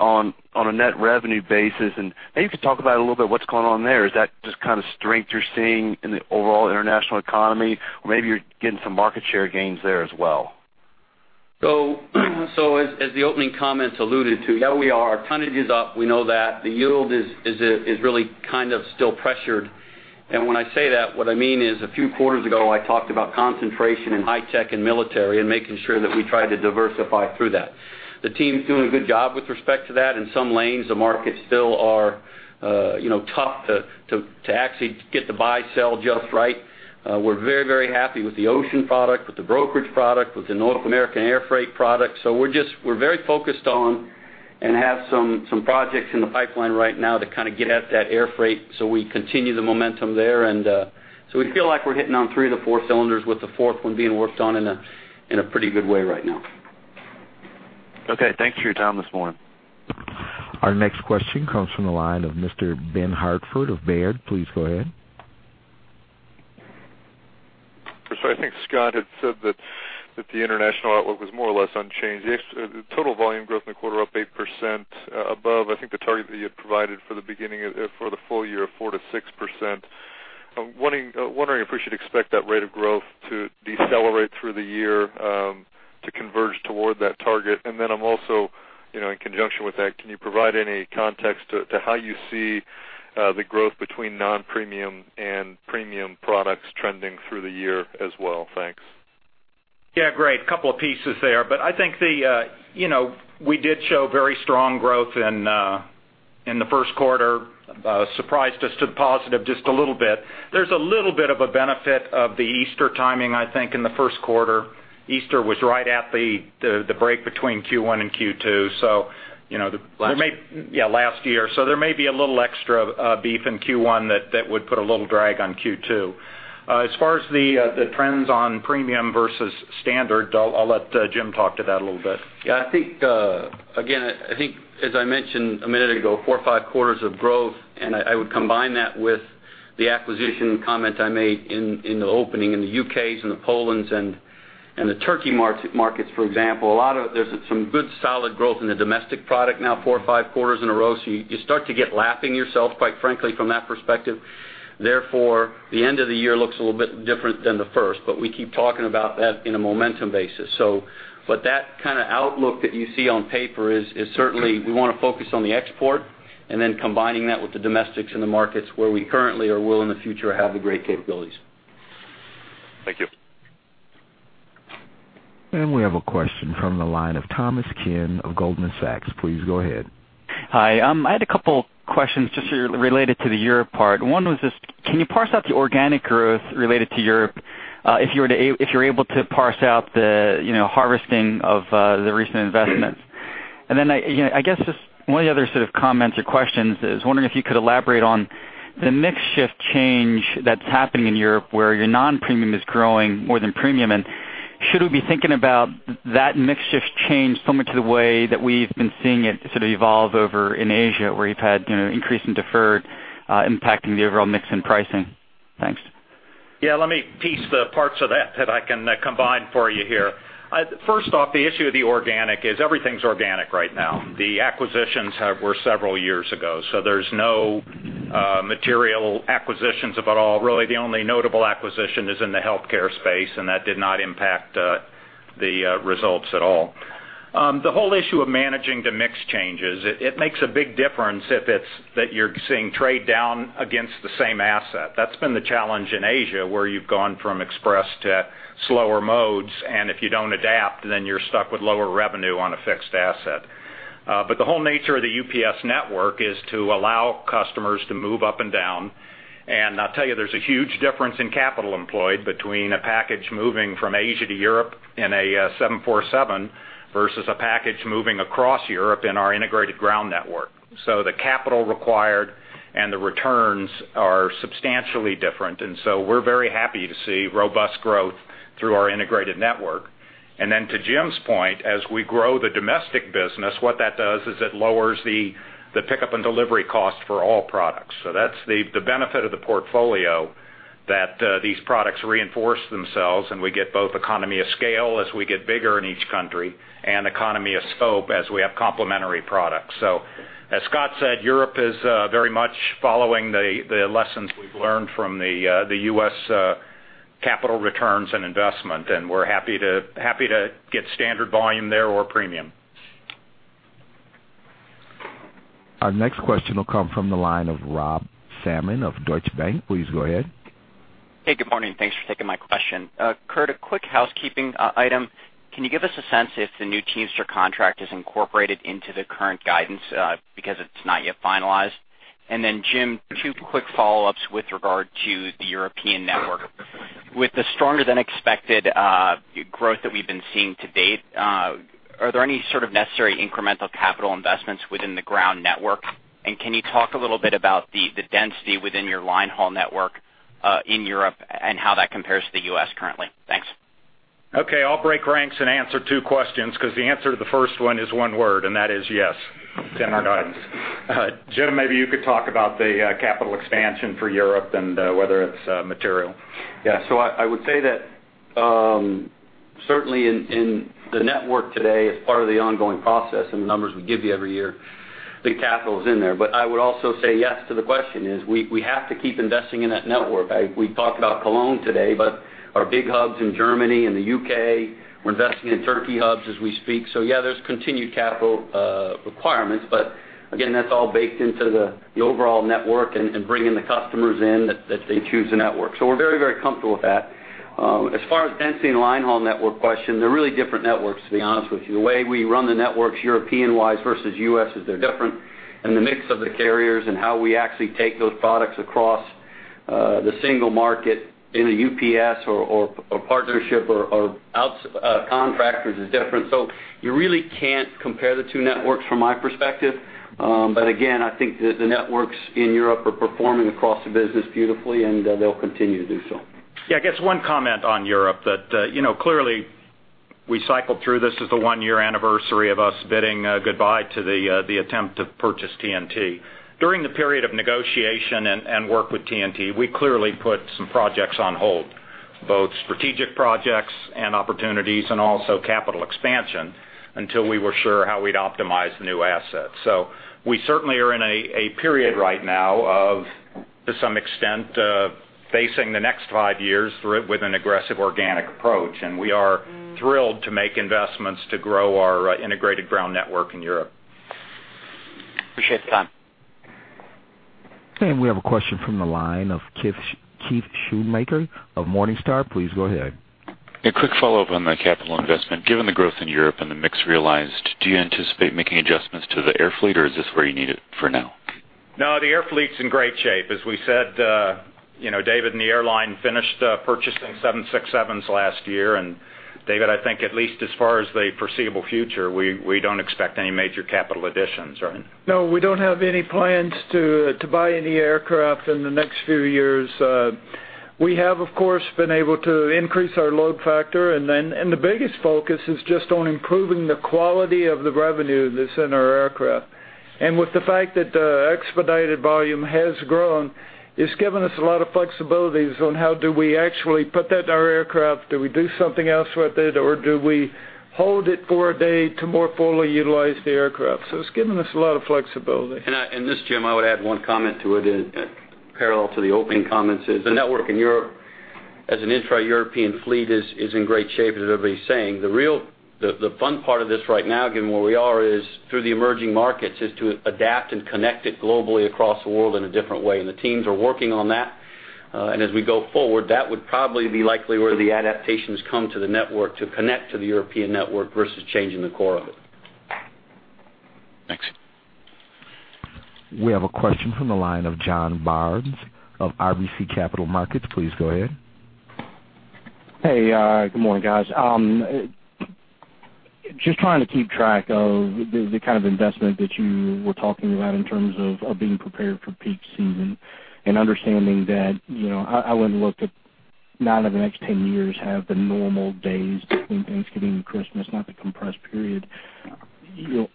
on a net revenue basis, and maybe you could talk about a little bit what's going on there. Is that just kind of strength you're seeing in the overall international economy, or maybe you're getting some market share gains there as well? As the opening comments alluded to, yeah, we are. Tonnage is up, we know that. The yield is really kind of still pressured. And when I say that, what I mean is, a few quarters ago, I talked about concentration in high tech and military and making sure that we try to diversify through that. The team's doing a good job with respect to that. In some lanes, the markets still are, you know, tough to actually get the buy, sell just right. We're very, very happy with the ocean product, with the brokerage product, with the North American air freight product. So we're just we're very focused on and have some projects in the pipeline right now to kind of get at that air freight. We continue the momentum there, and so we feel like we're hitting on three of the four cylinders, with the fourth one being worked on in a, in a pretty good way right now. Okay, thanks for your time this morning. Our next question comes from the line of Mr. Ben Hartford of Baird. Please go ahead. So I think Scott had said that, that the international outlook was more or less unchanged. The total volume growth in the quarter, up 8%, above, I think, the target that you had provided for the beginning of for the full year of 4%-6%. I'm wondering, wondering if we should expect that rate of growth to decelerate through the year, to converge toward that target? And then I'm also, you know, in conjunction with that, can you provide any context to, to how you see, the growth between non-premium and premium products trending through the year as well? Thanks. Yeah, great. Couple of pieces there. But I think the, you know, we did show very strong growth in, in the first quarter. Surprised us to the positive just a little bit. There's a little bit of a benefit of the Easter timing, I think, in the first quarter. Easter was right at the break between Q1 and Q2, so you know, the- Last- Yeah, last year. So there may be a little extra beef in Q1 that would put a little drag on Q2. As far as the trends on premium versus standard, I'll let Jim talk to that a little bit. Yeah, I think again, I think as I mentioned a minute ago, 4 or 5 quarters of growth, and I would combine that with the acquisition comment I made in the opening, in the UK and Poland and the Turkey markets, for example. A lot of... There's some good, solid growth in the domestic product now, 4 or 5 quarters in a row, so you start to get lapping yourself, quite frankly, from that perspective. Therefore, the end of the year looks a little bit different than the first, but we keep talking about that in a momentum basis. But that kind of outlook that you see on paper is certainly we want to focus on the export.... and then combining that with the domestics in the markets where we currently or will in the future, have the great capabilities. Thank you. We have a question from the line of Thomas Kim of Goldman Sachs. Please go ahead. Hi, I had a couple questions just related to the Europe part. One was just, can you parse out the organic growth related to Europe, if you're able to parse out the, you know, harvesting of the recent investments? And then, I, you know, I guess just one of the other sort of comments or questions is, wondering if you could elaborate on the mix shift change that's happening in Europe, where your non-premium is growing more than premium, and should we be thinking about that mix shift change similar to the way that we've been seeing it sort of evolve over in Asia, where you've had, you know, increase in deferred, impacting the overall mix in pricing? Thanks. Yeah, let me piece the parts of that that I can combine for you here. First off, the issue of the organic is everything's organic right now. The acquisitions were several years ago, so there's no material acquisitions at all. Really, the only notable acquisition is in the healthcare space, and that did not impact the results at all. The whole issue of managing the mix changes, it makes a big difference if it's that you're seeing trade down against the same asset. That's been the challenge in Asia, where you've gone from express to slower modes, and if you don't adapt, then you're stuck with lower revenue on a fixed asset. But the whole nature of the UPS network is to allow customers to move up and down. And I'll tell you, there's a huge difference in capital employed between a package moving from Asia to Europe in a 747, versus a package moving across Europe in our integrated ground network. So the capital required and the returns are substantially different, and so we're very happy to see robust growth through our integrated network. And then to Jim's point, as we grow the domestic business, what that does is it lowers the pickup and delivery cost for all products. So that's the benefit of the portfolio, that these products reinforce themselves, and we get both economy of scale as we get bigger in each country, and economy of scope as we have complementary products. So as Scott said, Europe is very much following the lessons we've learned from the US, capital returns and investment, and we're happy to get standard volume there or premium. Our next question will come from the line of Rob Salmon of Deutsche Bank. Please go ahead. Hey, good morning. Thanks for taking my question. Kurt, a quick housekeeping item. Can you give us a sense if the new Teamsters contract is incorporated into the current guidance, because it's not yet finalized? And then, Jim, two quick follow-ups with regard to the European network. With the stronger than expected growth that we've been seeing to date, are there any sort of necessary incremental capital investments within the ground network? And can you talk a little bit about the density within your line haul network in Europe and how that compares to the U.S. currently? Thanks. Okay, I'll break ranks and answer two questions, because the answer to the first one is one word, and that is yes, it's in our guidance. Jim, maybe you could talk about the capital expansion for Europe and whether it's material. Yeah. So I would say that certainly in the network today, as part of the ongoing process and the numbers we give you every year, the capital is in there. But I would also say yes to the question is, we have to keep investing in that network. We talked about Cologne today, but our big hubs in Germany and the UK, we're investing in Turkey hubs as we speak. So yeah, there's continued capital requirements, but again, that's all baked into the overall network and bringing the customers in that they choose the network. So we're very, very comfortable with that. As far as density and line haul network question, they're really different networks, to be honest with you. The way we run the networks Europe-wise versus U.S. is they're different, and the mix of the carriers and how we actually take those products across the single market in a UPS or a partnership or outside contractors is different. So you really can't compare the two networks from my perspective. But again, I think the networks in Europe are performing across the business beautifully, and they'll continue to do so. Yeah, I guess one comment on Europe, that, you know, clearly, we cycled through. This is the one-year anniversary of us bidding goodbye to the attempt to purchase TNT. During the period of negotiation and work with TNT, we clearly put some projects on hold, both strategic projects and opportunities, and also capital expansion, until we were sure how we'd optimize the new assets. So we certainly are in a period right now of, to some extent, facing the next five years through it with an aggressive organic approach. And we are thrilled to make investments to grow our integrated ground network in Europe. Appreciate the time. We have a question from the line of Keith Schoonmaker of Morningstar. Please go ahead. A quick follow-up on the capital investment. Given the growth in Europe and the mix realized, do you anticipate making adjustments to the air fleet, or is this where you need it for now? No, the air fleet's in great shape. As we said, you know, David and the airline finished purchasing seven 767s last year. And David, I think at least as far as the foreseeable future, we don't expect any major capital additions, right? No, we don't have any plans to buy any aircraft in the next few years. We have, of course, been able to increase our load factor, and then... And the biggest focus is just on improving the quality of the revenue that's in our aircraft. And with the fact that expedited volume has grown, it's given us a lot of flexibilities on how do we actually put that in our aircraft? Do we do something else with it, or do we hold it for a day to more fully utilize the aircraft? So it's given us a lot of flexibility. And this, Jim, I would add one comment to it, parallel to the opening comments, is the network in Europe as an intra-European fleet is in great shape, as everybody's saying. The real, the fun part of this right now, given where we are, is through the emerging markets, is to adapt and connect it globally across the world in a different way. And the teams are working on that. And as we go forward, that would probably be likely where the adaptations come to the network to connect to the European network versus changing the core of it. Thanks. We have a question from the line of John Barnes of RBC Capital Markets. Please go ahead. Hey, good morning, guys. Just trying to keep track of the kind of investment that you were talking about in terms of being prepared for peak season and understanding that, you know, I wouldn't look at 9 of the next 10 years have the normal days between Thanksgiving and Christmas, not the compressed period. You know,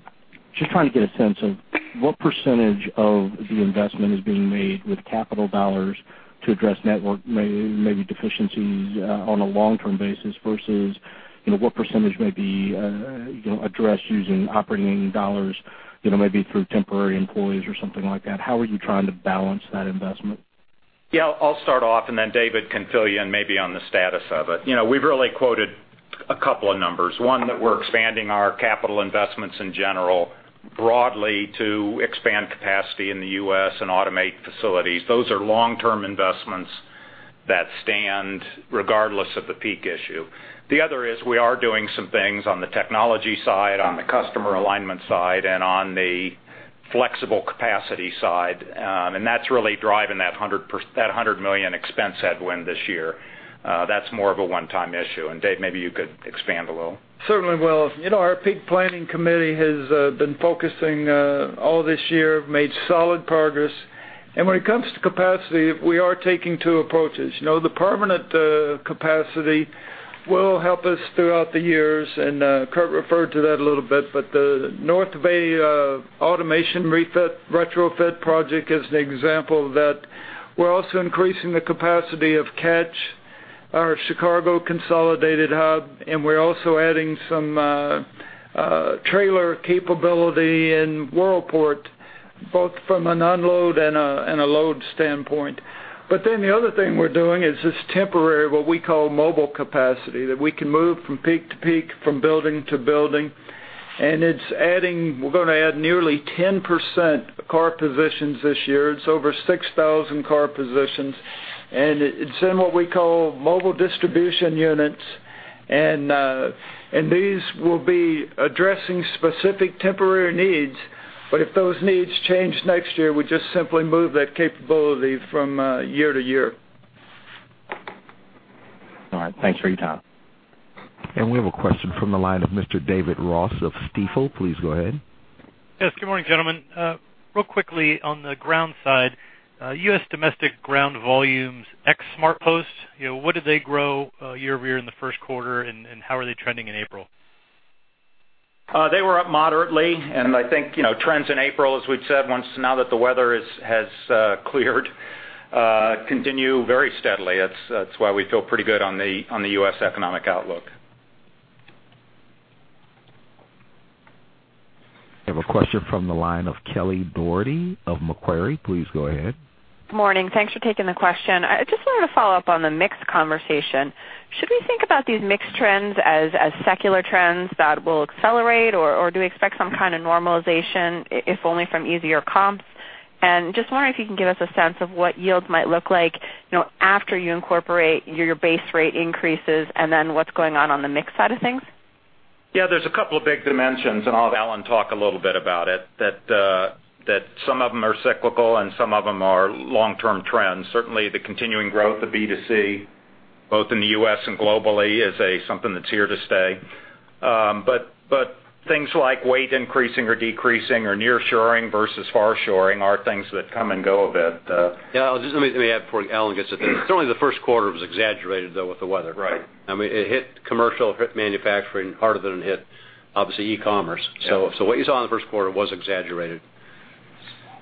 just trying to get a sense of what percentage of the investment is being made with capital dollars to address network maybe deficiencies on a long-term basis versus, you know, what percentage may be addressed using operating dollars, you know, maybe through temporary employees or something like that? How are you trying to balance that investment? Yeah, I'll start off, and then David can fill you in maybe on the status of it. You know, we've really quoted a couple of numbers. One, that we're expanding our capital investments in general, broadly to expand capacity in the U.S. and automate facilities. Those are long-term investments that stand regardless of the peak issue. The other is we are doing some things on the technology side, on the customer alignment side, and on the flexible capacity side, and that's really driving that $100 million expense headwind this year. That's more of a one-time issue. And Dave, maybe you could expand a little. Certainly will. You know, our peak planning committee has been focusing all this year, made solid progress. And when it comes to capacity, we are taking two approaches. You know, the permanent capacity will help us throughout the years, and Kurt referred to that a little bit. But the North Bay automation refit, retrofit project is an example of that. We're also increasing the capacity of CACH, our Chicago consolidated hub, and we're also adding some trailer capability in Worldport, both from an unload and a load standpoint. But then the other thing we're doing is this temporary, what we call mobile capacity, that we can move from peak to peak, from building to building, and it's adding—we're gonna add nearly 10% car positions this year. It's over 6,000 car positions, and it's in what we call mobile distribution units. And these will be addressing specific temporary needs, but if those needs change next year, we just simply move that capability from year to year. All right. Thanks for your time. We have a question from the line of Mr. David Ross of Stifel. Please go ahead. Yes, good morning, gentlemen. Real quickly, on the ground side, U.S. domestic ground volumes, ex SurePost, you know, what did they grow year-over-year in the first quarter, and how are they trending in April? They were up moderately, and I think, you know, trends in April, as we've said, once now that the weather has cleared, continue very steadily. That's why we feel pretty good on the US economic outlook. We have a question from the line of Kelly Dougherty of Macquarie. Please go ahead. Good morning. Thanks for taking the question. I just wanted to follow up on the mixed conversation. Should we think about these mixed trends as secular trends that will accelerate, or do we expect some kind of normalization, if only from easier comps? And just wondering if you can give us a sense of what yields might look like, you know, after you incorporate your base rate increases and then what's going on on the mix side of things? Yeah, there's a couple of big dimensions, and I'll have Alan talk a little bit about it, that that some of them are cyclical and some of them are long-term trends. Certainly, the continuing growth of B2C, both in the U.S. and globally, is a something that's here to stay. But, but things like weight increasing or decreasing or nearshoring versus farshoring are things that come and go a bit. Yeah, just let me, let me add before Alan gets it. Certainly, the first quarter was exaggerated, though, with the weather. Right. I mean, it hit commercial, it hit manufacturing harder than it hit, obviously, e-commerce. Yeah. So what you saw in the first quarter was exaggerated.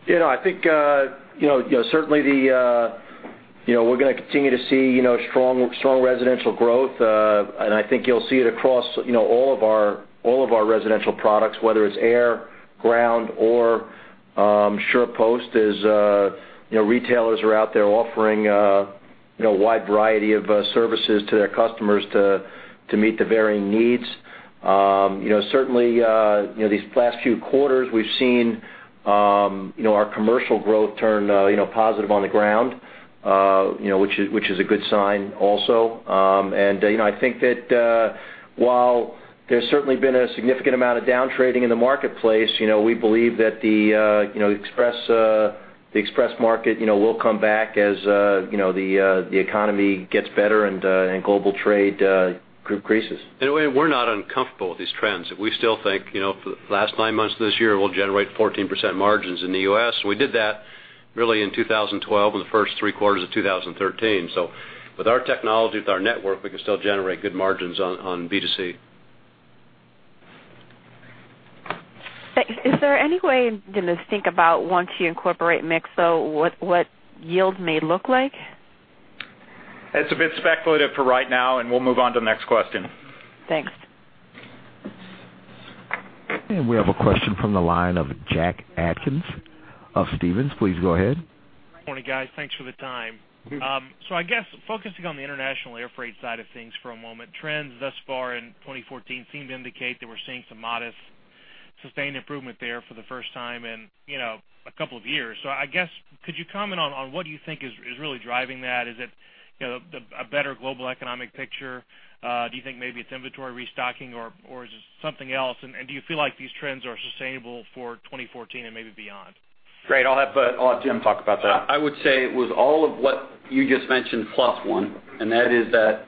You know, I think, you know, certainly the, you know, we're gonna continue to see, you know, strong, strong residential growth. And I think you'll see it across, you know, all of our, all of our residential products, whether it's air, ground, or, SurePost, as, you know, retailers are out there offering, you know, a wide variety of, services to their customers to, to meet the varying needs. You know, certainly, you know, these last few quarters, we've seen, you know, our commercial growth turn, you know, positive on the ground, you know, which is, which is a good sign also. You know, I think that while there's certainly been a significant amount of down trading in the marketplace, you know, we believe that the express market, you know, will come back as you know the economy gets better and global trade increases. We're not uncomfortable with these trends. We still think, you know, for the last nine months of this year, we'll generate 14% margins in the U.S. We did that really in 2012, in the first three quarters of 2013. So with our technology, with our network, we can still generate good margins on B2C. Thanks. Is there any way you can just think about once you incorporate mix, so what, what yield may look like? It's a bit speculative for right now, and we'll move on to the next question. Thanks. We have a question from the line of Jack Atkins of Stephens. Please go ahead. Morning, guys. Thanks for the time. So I guess focusing on the international airfreight side of things for a moment, trends thus far in 2014 seem to indicate that we're seeing some modest, sustained improvement there for the first time in, you know, a couple of years. So I guess, could you comment on, on what you think is, is really driving that? Is it, you know, a better global economic picture? Do you think maybe it's inventory restocking or, or is it something else? And do you feel like these trends are sustainable for 2014 and maybe beyond? Great. I'll have Jim talk about that. I would say it was all of what you just mentioned, plus one, and that is that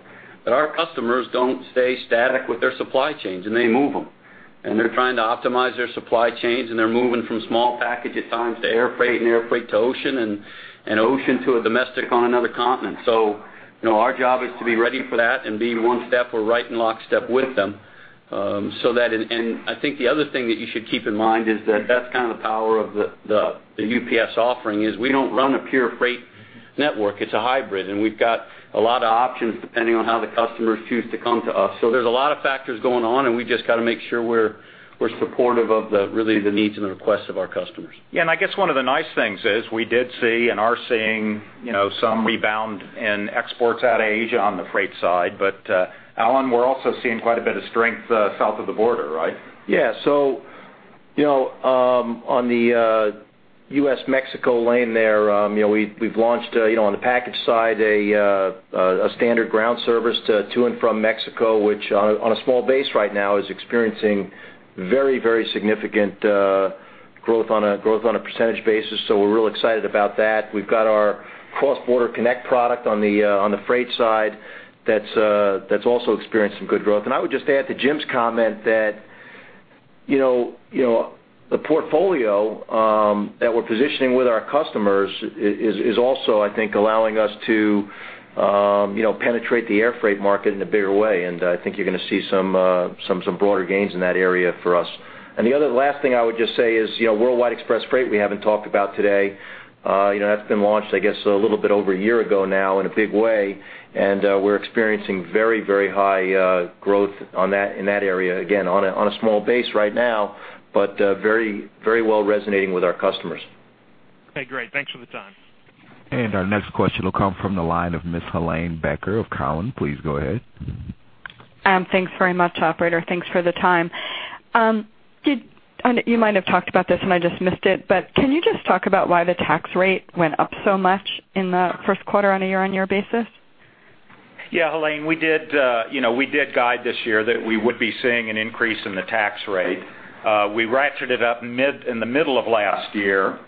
our customers don't stay static with their supply chains, and they move them. And they're trying to optimize their supply chains, and they're moving from small package at times to airfreight and airfreight to ocean, and ocean to a domestic on another continent. So, you know, our job is to be ready for that and be one step or right in lockstep with them. So that and I think the other thing that you should keep in mind is that that's kind of the power of the UPS offering, is we don't run a pure freight network. It's a hybrid, and we've got a lot of options depending on how the customers choose to come to us. So there's a lot of factors going on, and we just got to make sure we're supportive of the needs and the requests of our customers. Yeah, and I guess one of the nice things is we did see and are seeing, you know, some rebound in exports out of Asia on the freight side. But, Alan, we're also seeing quite a bit of strength, south of the border, right? Yeah. So, you know, on the US-Mexico lane there, you know, we, we've launched, you know, on the package side, a standard ground service to and from Mexico, which on a small base right now, is experiencing very, very significant growth on a percentage basis. So we're real excited about that. We've got our CrossBorder Connect product on the freight side that's also experienced some good growth. And I would just add to Jim's comment that, you know, the portfolio that we're positioning with our customers is also, I think, allowing us to penetrate the airfreight market in a bigger way. And I think you're going to see some broader gains in that area for us. And the other last thing I would just say is, you know, Worldwide Express Freight, we haven't talked about today. You know, that's been launched, I guess, a little bit over a year ago now in a big way, and we're experiencing very, very high growth on that, in that area. Again, on a small base right now, but very, very well resonating with our customers. Okay, great. Thanks for the time. Our next question will come from the line of Miss Helane Becker of Cowen. Please go ahead. Thanks very much, operator. Thanks for the time. You might have talked about this, and I just missed it, but can you just talk about why the tax rate went up so much in the first quarter on a year-on-year basis? Yeah, Helane, we did, you know, we did guide this year that we would be seeing an increase in the tax rate. We ratcheted it up in the middle of last year,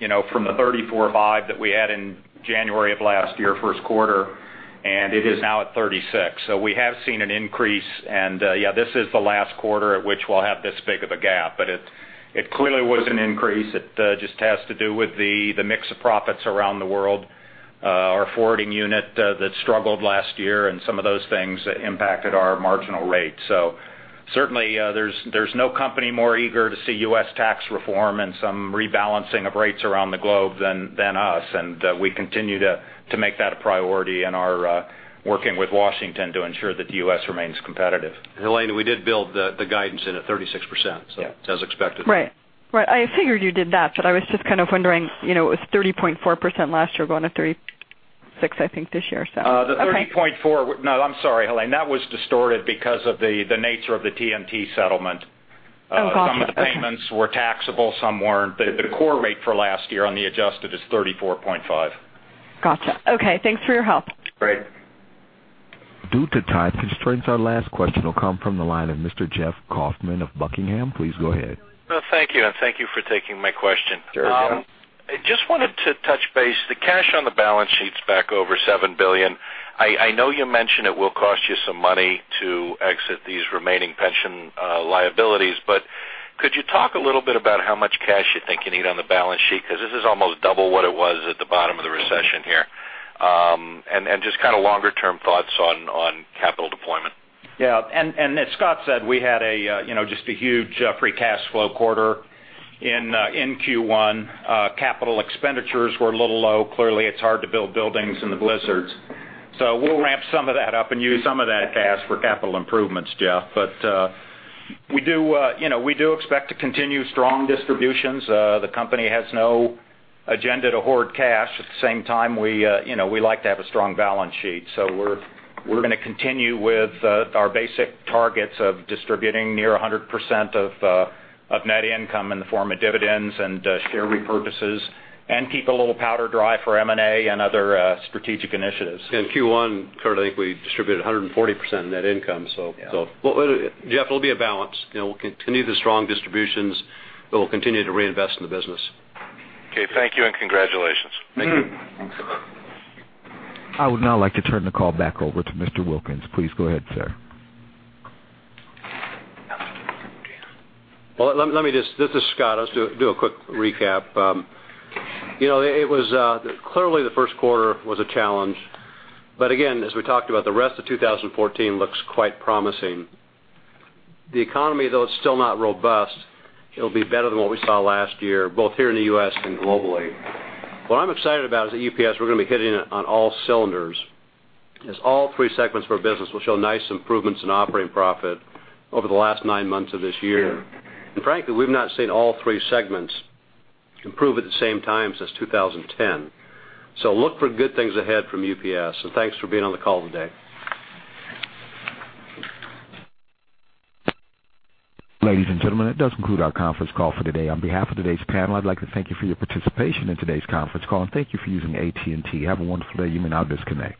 you know, from the 34.5% that we had in January of last year, first quarter, and it is now at 36%. So we have seen an increase. Yeah, this is the last quarter at which we'll have this big of a gap, but it clearly was an increase. It just has to do with the mix of profits around the world. Our forwarding unit that struggled last year and some of those things impacted our marginal rate. So certainly, there's no company more eager to see U.S. tax reform and some rebalancing of rates around the globe than us, and we continue to make that a priority, and are working with Washington to ensure that the U.S. remains competitive. Helane, we did build the guidance in at 36%, so as expected. Right. Right, I figured you did that, but I was just kind of wondering, you know, it was 30.4% last year, going to 36%, I think, this year. So, okay. The 30.4%... No, I'm sorry, Helane. That was distorted because of the nature of the TNT settlement. Okay. Some of the payments were taxable, some weren't. But the core rate for last year on the adjusted is 34.5. Gotcha. Okay, thanks for your help. Great. Due to time constraints, our last question will come from the line of Mr. Jeff Kauffman of Buckingham. Please go ahead. Well, thank you, and thank you for taking my question. Sure, Jeff. I just wanted to touch base. The cash on the balance sheet's back over $7 billion. I know you mentioned it will cost you some money to exit these remaining pension liabilities, but could you talk a little bit about how much cash you think you need on the balance sheet? Because this is almost double what it was at the bottom of the recession here. And just kind of longer-term thoughts on capital deployment. Yeah. And as Scott said, we had a, you know, just a huge Free Cash Flow quarter in Q1. Capital expenditures were a little low. Clearly, it's hard to build buildings in the blizzards. So we'll ramp some of that up and use some of that cash for capital improvements, Jeff. But we do, you know, we do expect to continue strong distributions. The company has no agenda to hoard cash. At the same time, we, you know, we like to have a strong balance sheet, so we're going to continue with our basic targets of distributing near 100% of net income in the form of dividends and share repurchases, and keep a little powder dry for M&A and other strategic initiatives. In Q1, currently, I think we distributed 140% net income, so- Yeah. Jeff, it'll be a balance. You know, we'll continue the strong distributions, but we'll continue to reinvest in the business. Okay. Thank you and congratulations. Thank you. Thanks. I would now like to turn the call back over to Mr. Wilkins. Please go ahead, sir. Well, let me just... This is Scott. Let's do a quick recap. You know, it was clearly, the first quarter was a challenge, but again, as we talked about, the rest of 2014 looks quite promising. The economy, though, it's still not robust, it'll be better than what we saw last year, both here in the U.S. and globally. What I'm excited about is at UPS, we're going to be hitting it on all cylinders, as all three segments of our business will show nice improvements in operating profit over the last nine months of this year. And frankly, we've not seen all three segments improve at the same time since 2010. So look for good things ahead from UPS, and thanks for being on the call today. Ladies and gentlemen, that does conclude our conference call for today. On behalf of today's panel, I'd like to thank you for your participation in today's conference call, and thank you for using AT&T. Have a wonderful day, and you may now disconnect.